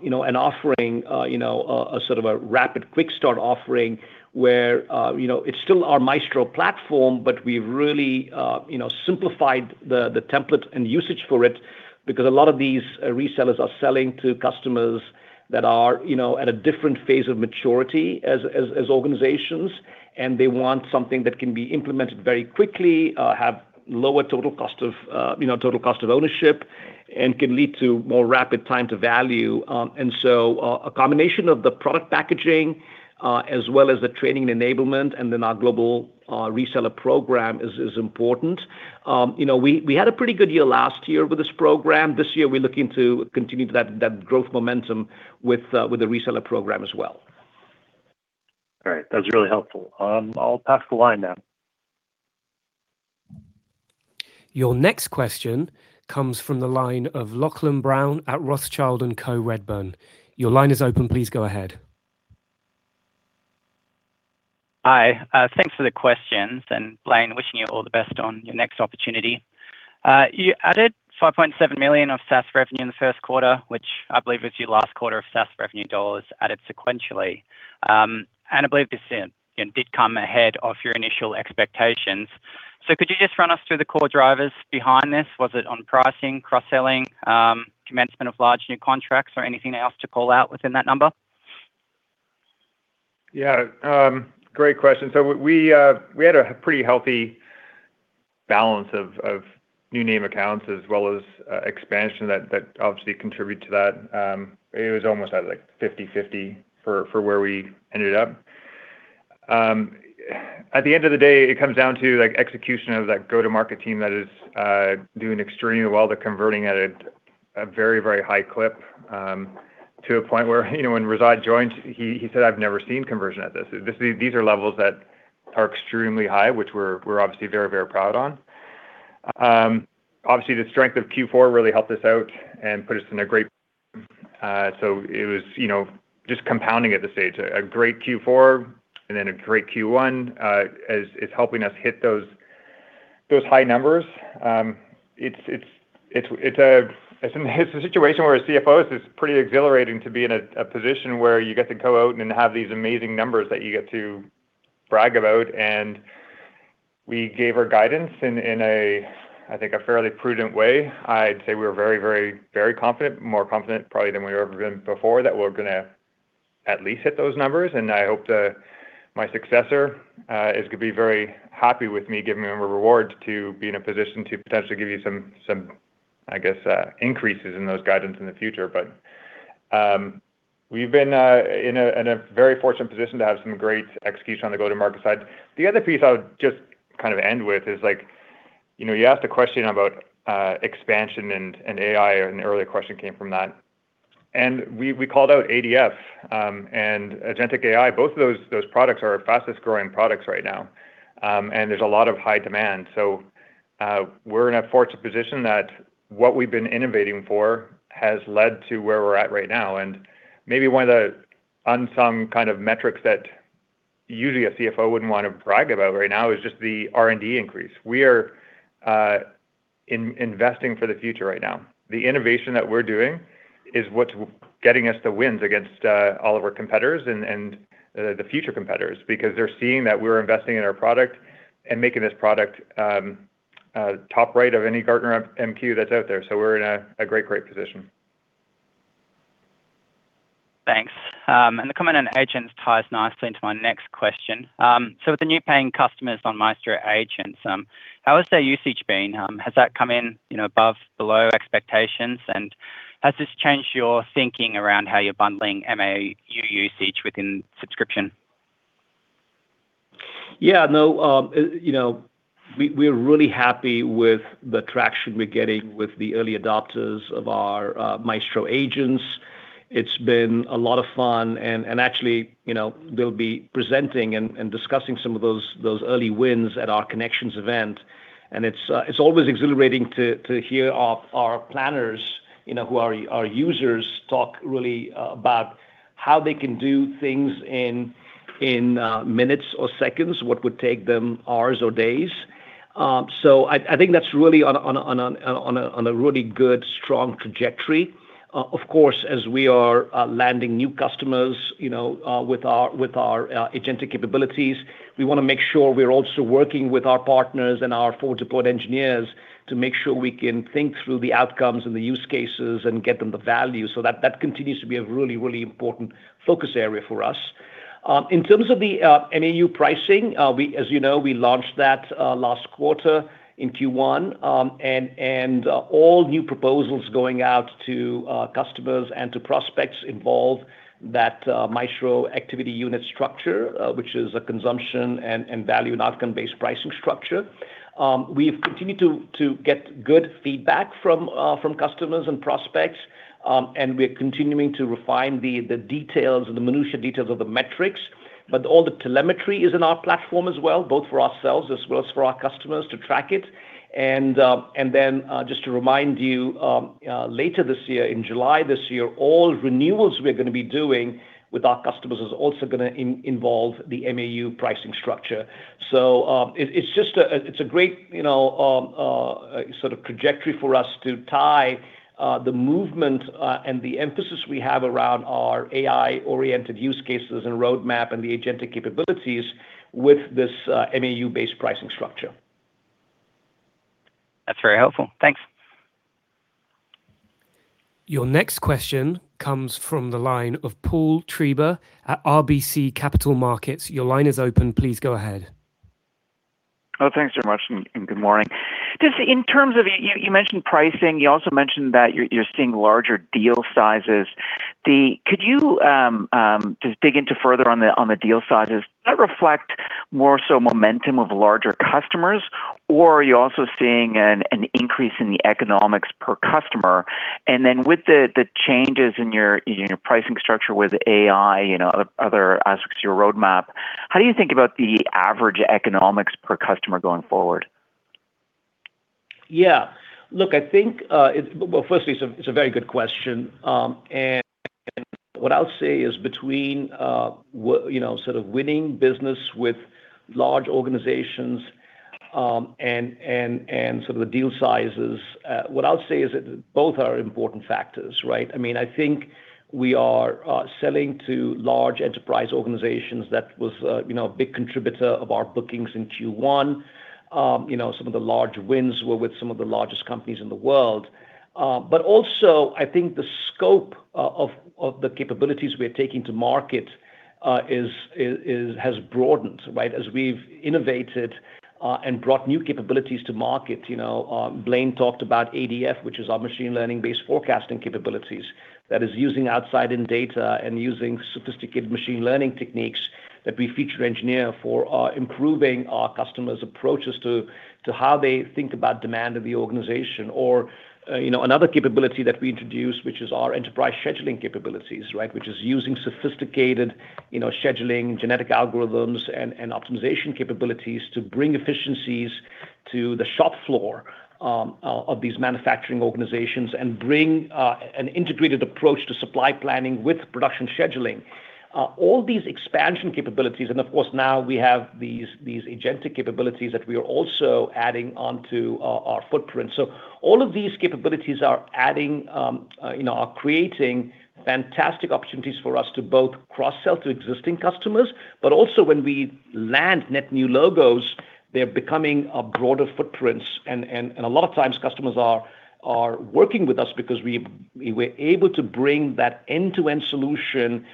you know, an offering, you know, a sort of a rapid quick start offering where, you know, it's still our Maestro platform, but we've really, you know, simplified the template and usage for it because a lot of these resellers are selling to customers that are, you know, at a different phase of maturity as organizations, and they want something that can be implemented very quickly, have lower total cost of ownership and can lead to more rapid time to value. A combination of the product packaging, as well as the training and enablement, and then our global reseller program is important. You know, we had a pretty good year last year with this program. This year, we're looking to continue that growth momentum with the reseller program as well. All right. That was really helpful. I'll pass the line now. Your next question comes from the line of Lachlan Brown at Rothschild & Co Redburn. Your line is open. Please go ahead. Hi. Thanks for the questions. Blaine, wishing you all the best on your next opportunity. You added $5.7 million of SaaS revenue in the first quarter, which I believe is your last quarter of SaaS revenue dollars added sequentially. I believe this, you know, did come ahead of your initial expectations. Could you just run us through the core drivers behind this? Was it on pricing, cross-selling, commencement of large new contracts, or anything else to call out within that number? Yeah. Great question. We had a pretty healthy balance of new name accounts as well as expansion that obviously contributed to that. It was almost at, like, 50/50 for where we ended up. At the end of the day, it comes down to, like, execution of that go-to-market team that is doing extremely well. They're converting at a very high clip to a point where, you know, when Razat joined, he said, "I've never seen conversion like this." These are levels that are extremely high, which we're obviously very proud on. Obviously, the strength of Q4 really helped us out and put us in a great. It was, you know, just compounding at this stage. A great Q4 and then a great Q1 is helping us hit those high numbers. It's a situation where as CFOs, it's pretty exhilarating to be in a position where you get to go out and have these amazing numbers that you get to brag about. We gave our guidance in a, I think, a fairly prudent way. I'd say we're very confident, more confident probably than we've ever been before, that we're gonna at least hit those numbers. I hope that my successor is gonna be very happy with me giving them a reward to be in a position to potentially give you some, I guess, increases in those guidance in the future. We've been in a very fortunate position to have some great execution on the go-to-market side. The other piece I would just kind of end with is, like, you know, you asked a question about expansion and AI, an earlier question came from that, and we called out ADF and Agentic AI. Both of those products are our fastest-growing products right now. There's a lot of high demand. We're in a fortunate position that what we've been innovating for has led to where we're at right now. Maybe one of the unsung kind of metrics that usually a CFO wouldn't want to brag about right now is just the R&D increase. We are investing for the future right now. The innovation that we're doing is what's getting us the wins against all of our competitors and the future competitors, because they're seeing that we're investing in our product and making this product top rate of any Gartner MQ that's out there. We're in a great position. Thanks. The comment on agents ties nicely into my next question. With the new paying customers on Maestro Agents, how has their usage been? Has that come in, you know, above, below expectations? Has this changed your thinking around how you're bundling MAU usage within subscription? Yeah, no. You know, we're really happy with the traction we're getting with the early adopters of our Maestro Agents. It's been a lot of fun and actually, you know, they'll be presenting and discussing some of those early wins at our Kinexions event. It's always exhilarating to hear our planners, you know, who are our users talk really about how they can do things in minutes or seconds, what would take them hours or days. I think that's really on a really good, strong trajectory. Of course, as we are landing new customers, you know, with our, with our agentic capabilities, we wanna make sure we're also working with our partners and our forward-deployed engineers to make sure we can think through the outcomes and the use cases and get them the value. That continues to be a really important focus area for us. In terms of the MAU pricing, we, as you know, we launched that last quarter in Q1. All new proposals going out to customers and to prospects involve that Maestro activity unit structure, which is a consumption and value and outcome-based pricing structure. We've continued to get good feedback from customers and prospects, and we're continuing to refine the details and the minutiae details of the metrics. All the telemetry is in our platform as well, both for ourselves as well as for our customers to track it. Then, just to remind you, later this year, in July this year, all renewals we're gonna be doing with our customers is also gonna involve the MAU pricing structure. It's just a, it's a great, you know, sort of trajectory for us to tie the movement and the emphasis we have around our AI-oriented use cases and roadmap and the agentic capabilities with this MAU-based pricing structure. That's very helpful. Thanks. Your next question comes from the line of Paul Treiber at RBC Capital Markets. Your line is open. Please go ahead. Thanks very much and good morning. Just in terms of You mentioned pricing. You also mentioned that you're seeing larger deal sizes. Could you just dig into further on the deal sizes? Does that reflect more so momentum of larger customers, or are you also seeing an increase in the economics per customer? With the changes in your pricing structure with AI, you know, other aspects of your roadmap, how do you think about the average economics per customer going forward? Yeah. Look, I think, Well, firstly, it's a very good question. What I'll say is between, you know, sort of winning business with large organizations, and sort of the deal sizes, what I'll say is that both are important factors, right? I mean, I think we are selling to large enterprise organizations. That was, you know, a big contributor of our bookings in Q1. You know, some of the large wins were with some of the largest companies in the world. Also I think the scope of the capabilities we're taking to market has broadened, right? As we've innovated and brought new capabilities to market. You know, Blaine talked about ADF, which is our machine learning-based forecasting capabilities. That is using outside-in data and using sophisticated machine learning techniques that we feature engineer for improving our customers' approaches to how they think about demand of the organization. You know, another capability that we introduced, which is our Enterprise Scheduling capabilities. Which is using sophisticated, you know, scheduling genetic algorithms and optimization capabilities to bring efficiencies to the shop floor of these manufacturing organizations and bring an integrated approach to supply planning with production scheduling. All these expansion capabilities, of course now we have these agentic capabilities that we are also adding onto our footprint. All of these capabilities are creating fantastic opportunities for us to both cross-sell to existing customers, but also when we land net new logos, they're becoming a broader footprint. A lot of times customers are working with us because we're able to bring that end-to-end solution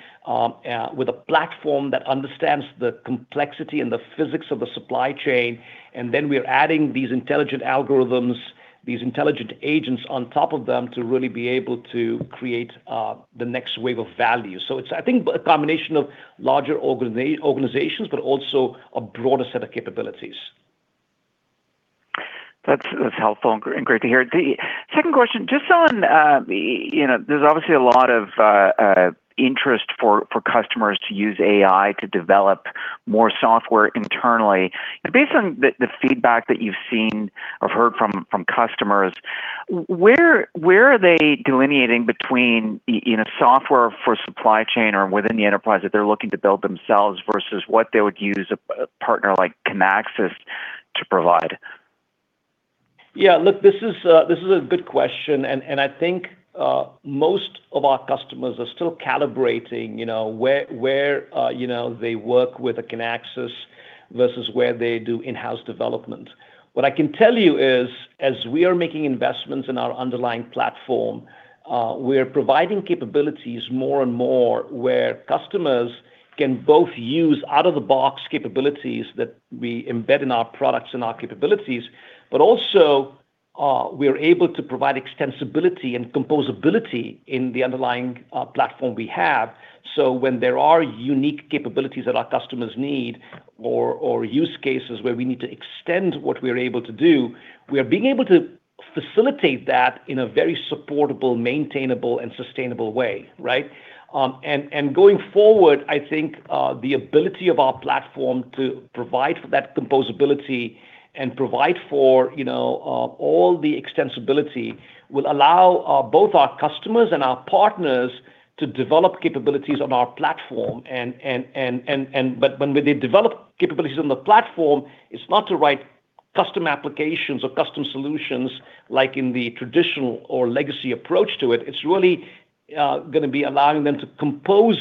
with a platform that understands the complexity and the physics of the supply chain, and then we're adding these intelligent algorithms, these intelligent agents on top of them to really be able to create the next wave of value. It's, I think, a combination of larger organizations, but also a broader set of capabilities. That's helpful and great to hear. The second question, just on, you know, there's obviously a lot of interest for customers to use AI to develop more software internally. Based on the feedback that you've seen or heard from customers, where are they delineating between you know, software for supply chain or within the enterprise that they're looking to build themselves versus what they would use a partner like Kinaxis to provide? Yeah, look, this is, this is a good question, and I think, most of our customers are still calibrating, you know, where, you know, they work with Kinaxis versus where they do in-house development. What I can tell you is, as we are making investments in our underlying platform, we are providing capabilities more and more where customers can both use out-of-the-box capabilities that we embed in our products and our capabilities. Also, we are able to provide extensibility and composability in the underlying platform we have. When there are unique capabilities that our customers need or use cases where we need to extend what we are able to do, we are being able to facilitate that in a very supportable, maintainable, and sustainable way, right? Going forward, I think, the ability of our platform to provide for that composability and provide for, you know, all the extensibility will allow both our customers and our partners to develop capabilities on our platform. When they develop capabilities on the platform, it's not to write custom applications or custom solutions like in the traditional or legacy approach to it. It's really gonna be allowing them to compose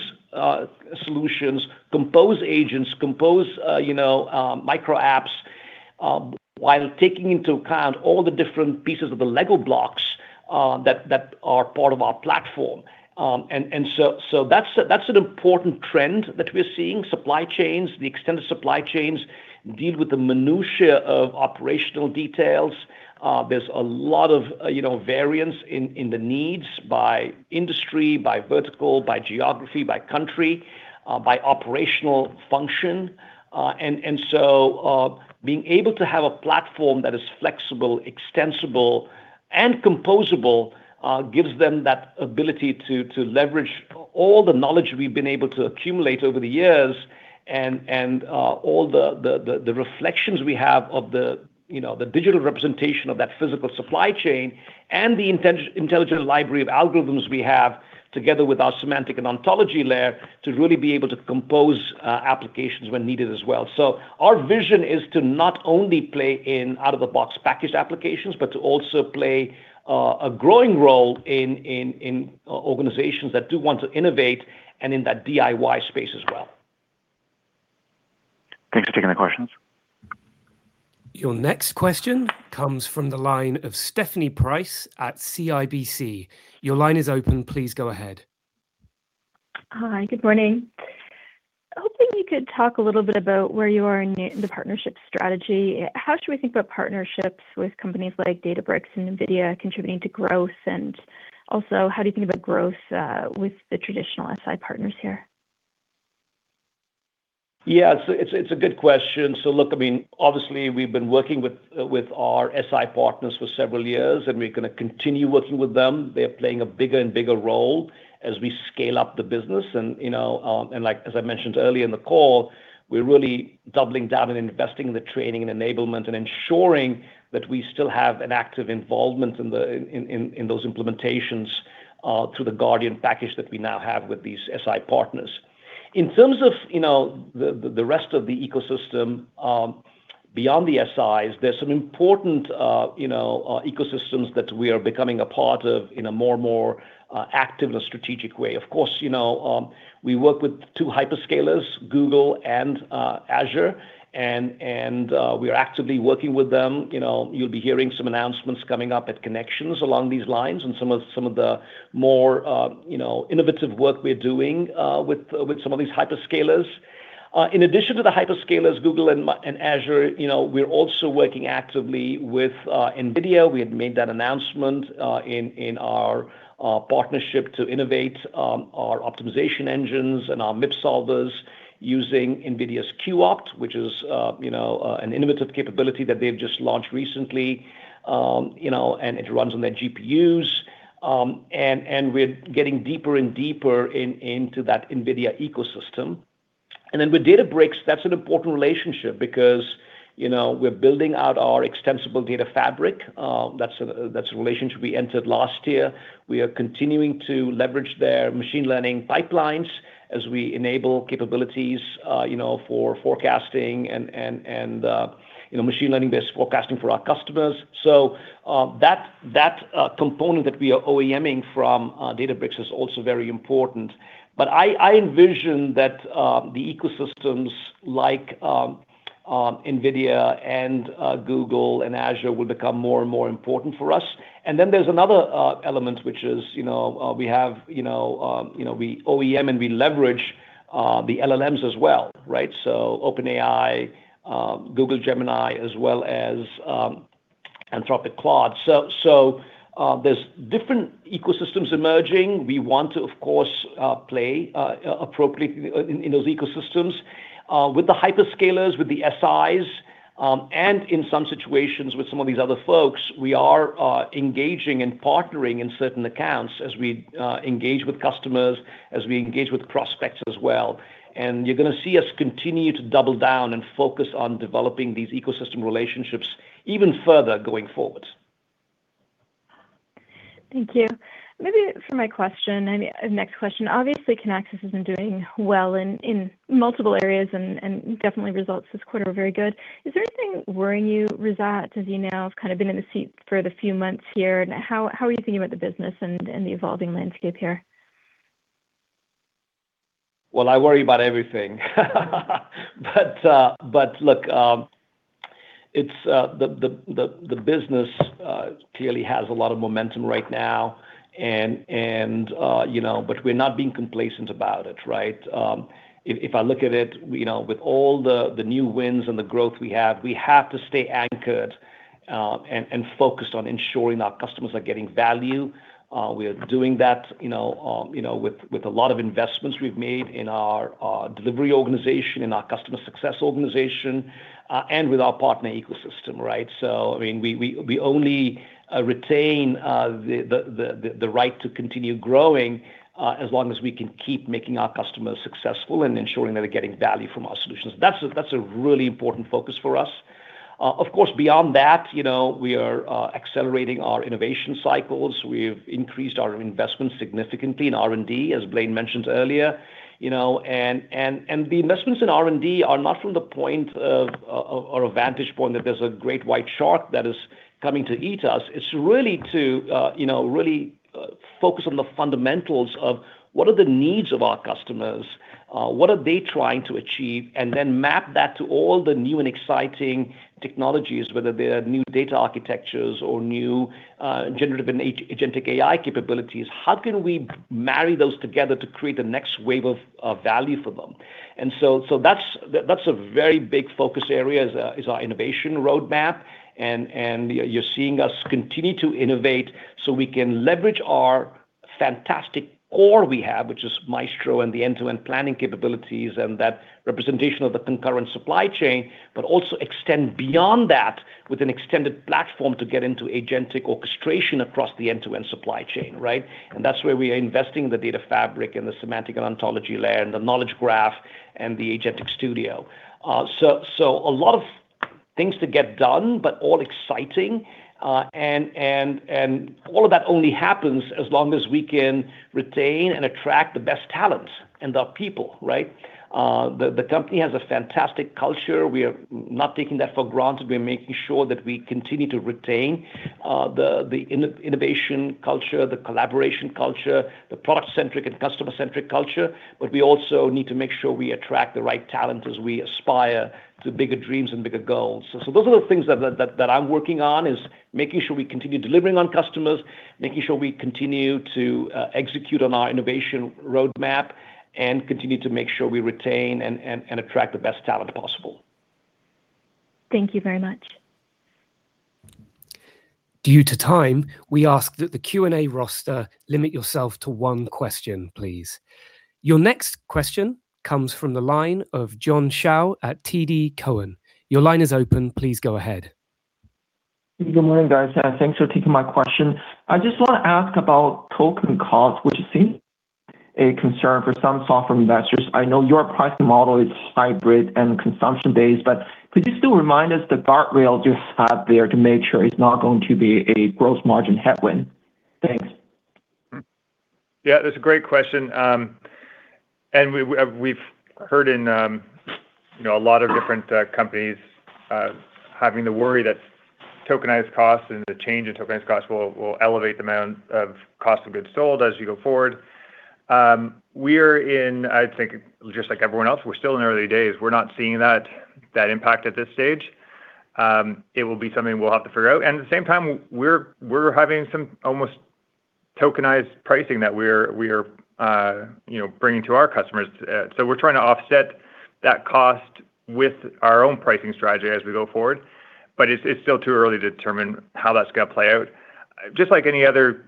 solutions, compose agents, compose, you know, micro apps, while taking into account all the different pieces of the Lego blocks that are part of our platform. So, that's an important trend that we're seeing. Supply chains, the extended supply chains deal with the minutiae of operational details. There's a lot of, you know, variance in the needs by industry, by vertical, by geography, by country, by operational function. Being able to have a platform that is flexible, extensible, and composable, gives them that ability to leverage all the knowledge we've been able to accumulate over the years and all the reflections we have of the, you know, the digital representation of that physical supply chain and the intelligence library of algorithms we have together with our semantic and ontology layer to really be able to compose applications when needed as well. Our vision is to not only play in out-of-the-box packaged applications, but to also play a growing role in organizations that do want to innovate and in that DIY space as well. Thanks for taking the questions. Your next question comes from the line of Stephanie Price at CIBC. Your line is open. Please go ahead. Hi, good morning. Hoping you could talk a little bit about where you are in the partnership strategy. How should we think about partnerships with companies like Databricks and NVIDIA contributing to growth? How do you think about growth with the traditional SI partners here? Yeah. It's a good question. Look, I mean, obviously, we've been working with our SI partners for several years, and we're gonna continue working with them. They're playing a bigger and bigger role as we scale up the business. You know, like as I mentioned earlier in the call, we're really doubling down and investing in the training and enablement and ensuring that we still have an active involvement in those implementations, through the Guardian Package that we now have with these SI partners. In terms of, you know, the rest of the ecosystem beyond the SIs, there's some important, you know, ecosystems that we are becoming a part of in a more and more active and strategic way. Of course, you know, we work with two hyperscalers, Google and Azure, we are actively working with them. You know, you'll be hearing some announcements coming up at Kinexions along these lines and some of the more, you know, innovative work we're doing with some of these hyperscalers. In addition to the hyperscalers, Google and Azure, you know, we're also working actively with NVIDIA. We had made that announcement in our partnership to innovate our optimization engines and our MIP solvers using NVIDIA's cuOpt, which is, you know, an innovative capability that they've just launched recently. You know, it runs on their GPUs. We're getting deeper and deeper into that NVIDIA ecosystem. With Databricks, that's an important relationship because we're building out our extensible data fabric. That's a relationship we entered last year. We are continuing to leverage their machine learning pipelines as we enable capabilities for forecasting and machine learning-based forecasting for our customers. That component that we are OEM-ing from Databricks is also very important. I envision that the ecosystems like NVIDIA, and Google, and Azure will become more and more important for us. There's another element which is, we OEM and we leverage the LLMs as well, right? OpenAI, Google Gemini, as well as Anthropic Claude. There's different ecosystems emerging. We want to, of course, play appropriately in those ecosystems. With the hyperscalers, with the SIs, and in some situations with some of these other folks, we are engaging and partnering in certain accounts as we engage with customers, as we engage with prospects as well. You're gonna see us continue to double down and focus on developing these ecosystem relationships even further going forward. Thank you. Maybe for my question, I mean, next question. Obviously, Kinaxis has been doing well in multiple areas and definitely results this quarter were very good. Is there anything worrying you, Razat, as you now have kind of been in the seat for the few months here? How are you thinking about the business and the evolving landscape here? Well, I worry about everything. Look, the business clearly has a lot of momentum right now, and, you know, but we're not being complacent about it, right. If I look at it, you know, with all the new wins and the growth we have, we have to stay anchored and focused on ensuring our customers are getting value. We are doing that, you know, you know, with a lot of investments we've made in our delivery organization, in our customer success organization, and with our partner ecosystem, right. I mean, we only retain the right to continue growing as long as we can keep making our customers successful and ensuring they're getting value from our solutions. That's a, that's a really important focus for us. Of course, beyond that, you know, we are accelerating our innovation cycles. We've increased our investment significantly in R&D, as Blaine mentioned earlier, you know, and the investments in R&D are not from the point of or a vantage point that there's a great white shark that is coming to eat us. It's really to, you know, really focus on the fundamentals of what are the needs of our customers, what are they trying to achieve, and then map that to all the new and exciting technologies, whether they are new data architectures or new generative and agentic AI capabilities. How can we marry those together to create the next wave of value for them? That's a very big focus area is our innovation roadmap. You're seeing us continue to innovate so we can leverage our fantastic core we have, which is Maestro and the end-to-end planning capabilities and that representation of the concurrent supply chain, but also extend beyond that with an extended platform to get into agentic orchestration across the end-to-end supply chain, right? That's where we are investing the data fabric and the semantic ontology layer and the knowledge graph and the Maestro Agent Studio. A lot of things to get done, but all exciting. All of that only happens as long as we can retain and attract the best talent and our people, right? The company has a fantastic culture. We are not taking that for granted. We're making sure that we continue to retain the innovation culture, the collaboration culture, the product-centric and customer-centric culture. We also need to make sure we attract the right talent as we aspire to bigger dreams and bigger goals. Those are the things that I'm working on is making sure we continue delivering on customers, making sure we continue to execute on our innovation roadmap, and continue to make sure we retain and attract the best talent possible. Thank you very much. Due to time, we ask that the Q&A roster limit yourself to one question, please. Your next question comes from the line of John Shao at TD Cowen. Your line is open. Please go ahead. Good morning, guys. Thanks for taking my question. I just want to ask about token costs, which is seen as a concern for some software investors. I know your pricing model is hybrid and consumption-based, could you still remind us the guardrail you have there to make sure it's not going to be a gross margin headwind? Thanks. Yeah, that's a great question. We, we've heard in, you know, a lot of different companies having to worry that tokenized costs and the change in tokenized costs will elevate the amount of cost of goods sold as you go forward. We're in, I think, just like everyone else, we're still in the early days. We're not seeing that impact at this stage. It will be something we'll have to figure out. At the same time, we're having some almost tokenized pricing that we're, you know, bringing to our customers. We're trying to offset that cost with our own pricing strategy as we go forward, but it's still too early to determine how that's gonna play out. Just like any other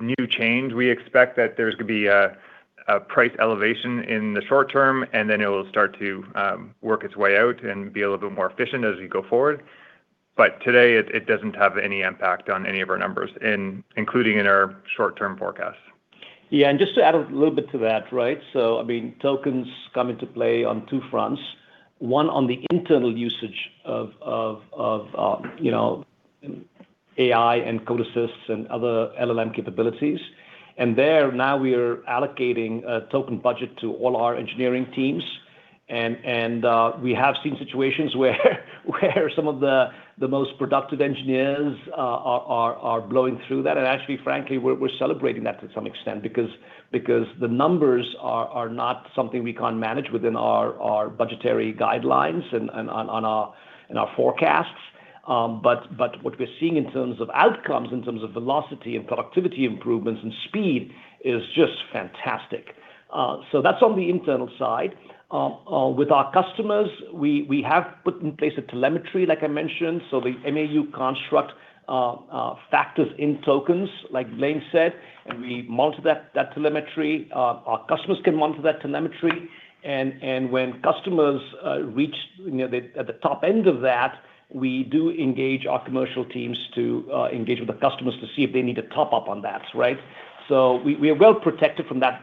new change, we expect that there's gonna be a price elevation in the short term, and then it will start to work its way out and be a little bit more efficient as we go forward. Today, it doesn't have any impact on any of our numbers including in our short-term forecasts. Yeah. Just to add a little bit to that, right? I mean, tokens come into play on two fronts. One, on the internal usage of, you know, AI and code assists and other LLM capabilities. There, now we are allocating a token budget to all our engineering teams, and we have seen situations where some of the most productive engineers are blowing through that. Actually, frankly, we're celebrating that to some extent because the numbers are not something we can't manage within our budgetary guidelines and on our in our forecasts. What we're seeing in terms of outcomes, in terms of velocity and productivity improvements and speed is just fantastic. That's on the internal side. With our customers, we have put in place a telemetry, like I mentioned. The MAU construct factors in tokens, like Blaine said, and we monitor that telemetry. Our customers can monitor that telemetry. When customers reach, you know, the top end of that, we do engage our commercial teams to engage with the customers to see if they need to top up on that, right? We are well protected from that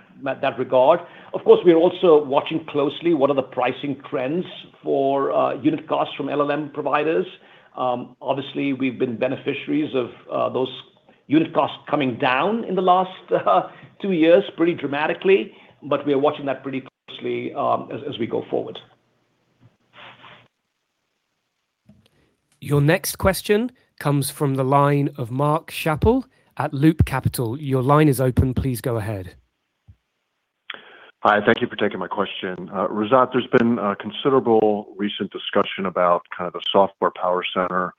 regard. We are also watching closely what are the pricing trends for unit costs from LLM providers. Obviously, we've been beneficiaries of those unit costs coming down in the last two years pretty dramatically, but we are watching that pretty closely as we go forward. Your next question comes from the line of Mark Schappel at Loop Capital. Your line is open. Please go ahead. Hi, thank you for taking my question. Razat, there's been considerable recent discussion about kind of the software power center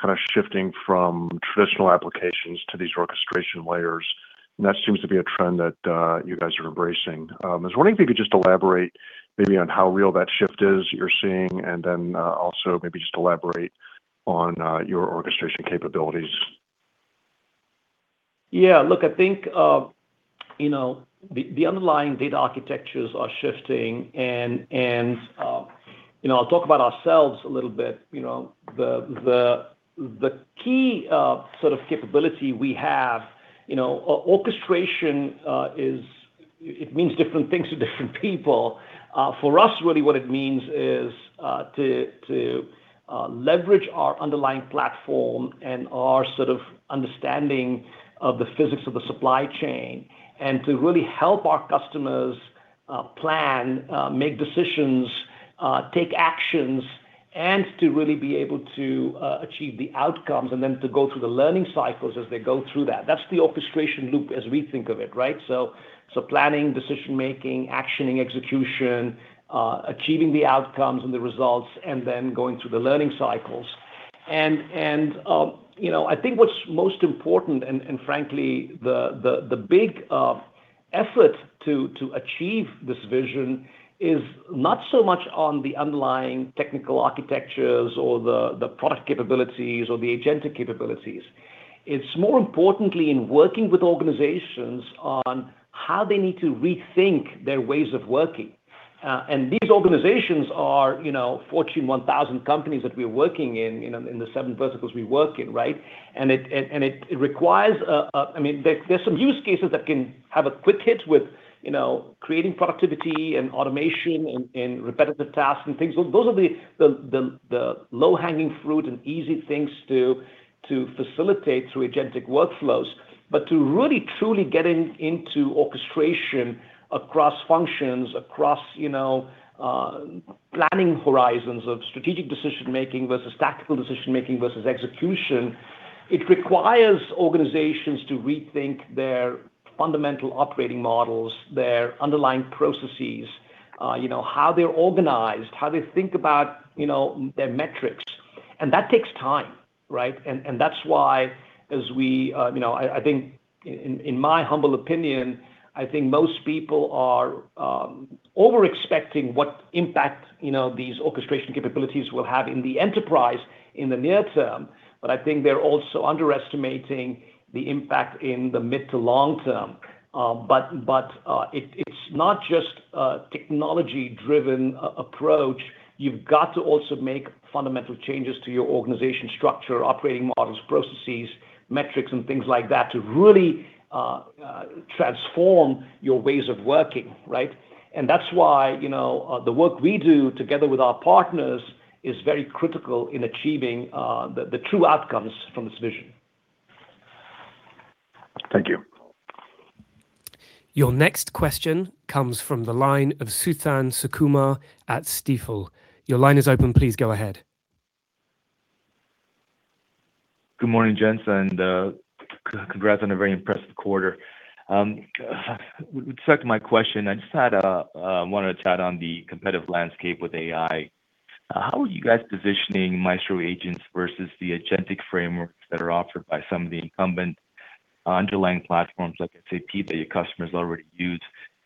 kind of shifting from traditional applications to these orchestration layers, and that seems to be a trend that you guys are embracing. I was wondering if you could just elaborate maybe on how real that shift is you're seeing, and then also maybe just elaborate on your orchestration capabilities. Yeah, look, I think, you know, the underlying data architectures are shifting and, you know, I'll talk about ourselves a little bit. You know, the key sort of capability we have, you know, orchestration means different things to different people. For us, really what it means is to leverage our underlying platform and our sort of understanding of the physics of the supply chain, and to really help our customers plan, make decisions, take actions, and to really be able to achieve the outcomes and then to go through the learning cycles as they go through that. That's the orchestration loop as we think of it, right? Planning, decision-making, action, execution, achieving the outcomes and the results, and then going through the learning cycles. You know, I think what's most important and frankly, the big effort to achieve this vision is not so much on the underlying technical architectures or the product capabilities or the agentic capabilities. It's more importantly in working with organizations on how they need to rethink their ways of working. These organizations are, you know, Fortune 1000 companies that we're working in the seven verticals we work in, right? It requires I mean, there are some use cases that can have a quick hit with, you know, creating productivity and automation in repetitive tasks and things. Those are the low-hanging fruit and easy things to facilitate through agentic workflows. To really truly get into orchestration across functions, across, you know, planning horizons of strategic decision-making versus tactical decision-making versus execution, it requires organizations to rethink their fundamental operating models, their underlying processes, you know, how they're organized, how they think about, you know, their metrics, and that takes time, right? That's why as we, You know, I think in my humble opinion, I think most people are over-expecting what impact, you know, these orchestration capabilities will have in the enterprise in the near term. I think they're also underestimating the impact in the mid to long term. It's not just a technology-driven approach. You've got to also make fundamental changes to your organization structure, operating models, processes, metrics, and things like that to really transform your ways of working, right? That's why, you know, the work we do together with our partners is very critical in achieving the true outcomes from this vision. Thank you. Your next question comes from the line of Suthan Sukumar at Stifel. Your line is open. Please go ahead. Good morning, gents, and congrats on a very impressive quarter. With respect to my question, I just had a wanted to chat on the competitive landscape with AI. How are you guys positioning Maestro Agents versus the agentic frameworks that are offered by some of the incumbent underlying platforms like [SAP] that your customers already use?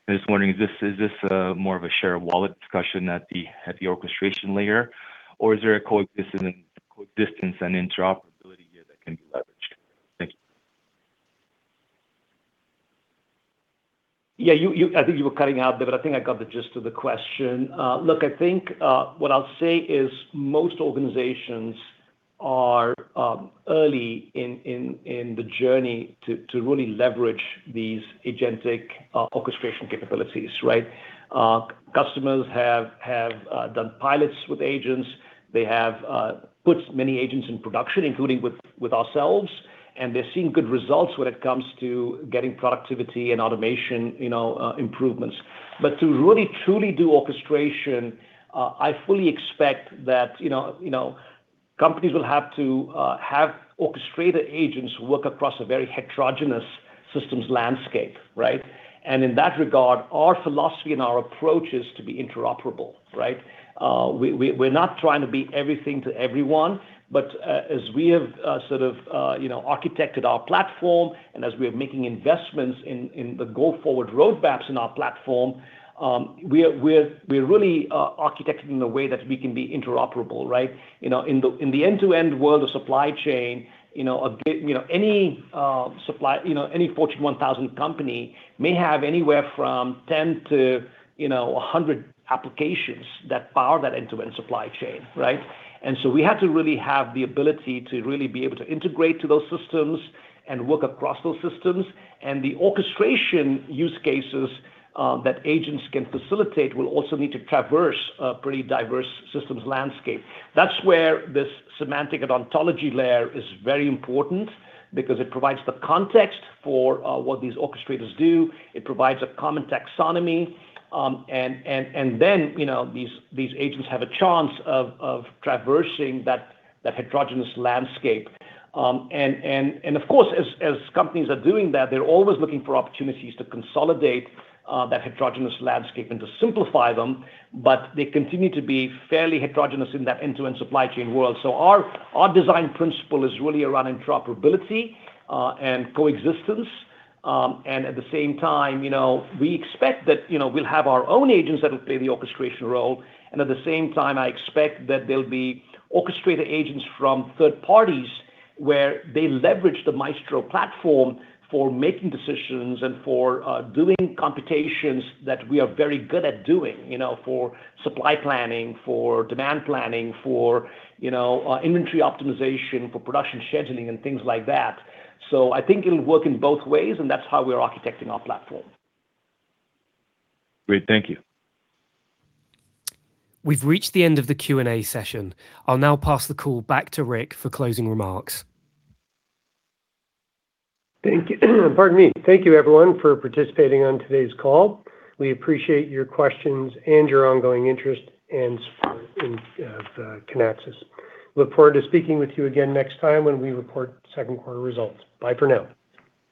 I'm just wondering, is this more of a share of wallet discussion at the orchestration layer, or is there a coexistence and interoperability here that can be leveraged? Thank you. Yeah, you I think you were cutting out there, but I think I got the gist of the question. Look, I think, what I'll say is most organizations are early in the journey to really leverage these agentic orchestration capabilities, right? Customers have done pilots with agents. They have put many agents in production, including with ourselves, and they're seeing good results when it comes to getting productivity and automation, you know, improvements. To really truly do orchestration, I fully expect that, you know, companies will have to have orchestrator agents who work across a very heterogeneous systems landscape, right? In that regard, our philosophy and our approach is to be interoperable, right? We're not trying to be everything to everyone, but as we have sort of, you know, architected our platform and as we are making investments in the go-forward roadmaps in our platform, we're really architecting the way that we can be interoperable, right? You know, in the end-to-end world of supply chain, any Fortune 1000 company may have anywhere from 10 to, you know, 100 applications that power that end-to-end supply chain, right? We have to really have the ability to really be able to integrate to those systems and work across those systems. The orchestration use cases that agents can facilitate will also need to traverse a pretty diverse systems landscape. That's where this semantic ontology layer is very important because it provides the context for what these orchestrators do. It provides a common taxonomy, and then, you know, these agents have a chance of traversing that heterogeneous landscape. Of course, as companies are doing that, they're always looking for opportunities to consolidate that heterogeneous landscape and to simplify them, but they continue to be fairly heterogeneous in that end-to-end supply chain world. Our design principle is really around interoperability and coexistence. At the same time, you know, we expect that, you know, we'll have our own agents that will play the orchestration role, and at the same time, I expect that there'll be orchestrator agents from third parties, where they leverage the Maestro platform for making decisions and for doing computations that we are very good at doing, you know, for supply planning, for demand planning, for, you know, inventory optimization, for production scheduling and things like that. I think it'll work in both ways, and that's how we're architecting our platform. Great. Thank you. We've reached the end of the Q&A session. I'll now pass the call back to Rick for closing remarks. Thank you. Pardon me. Thank you everyone for participating on today's call. We appreciate your questions and your ongoing interest and support in Kinaxis. Look forward to speaking with you again next time when we report second quarter results. Bye for now.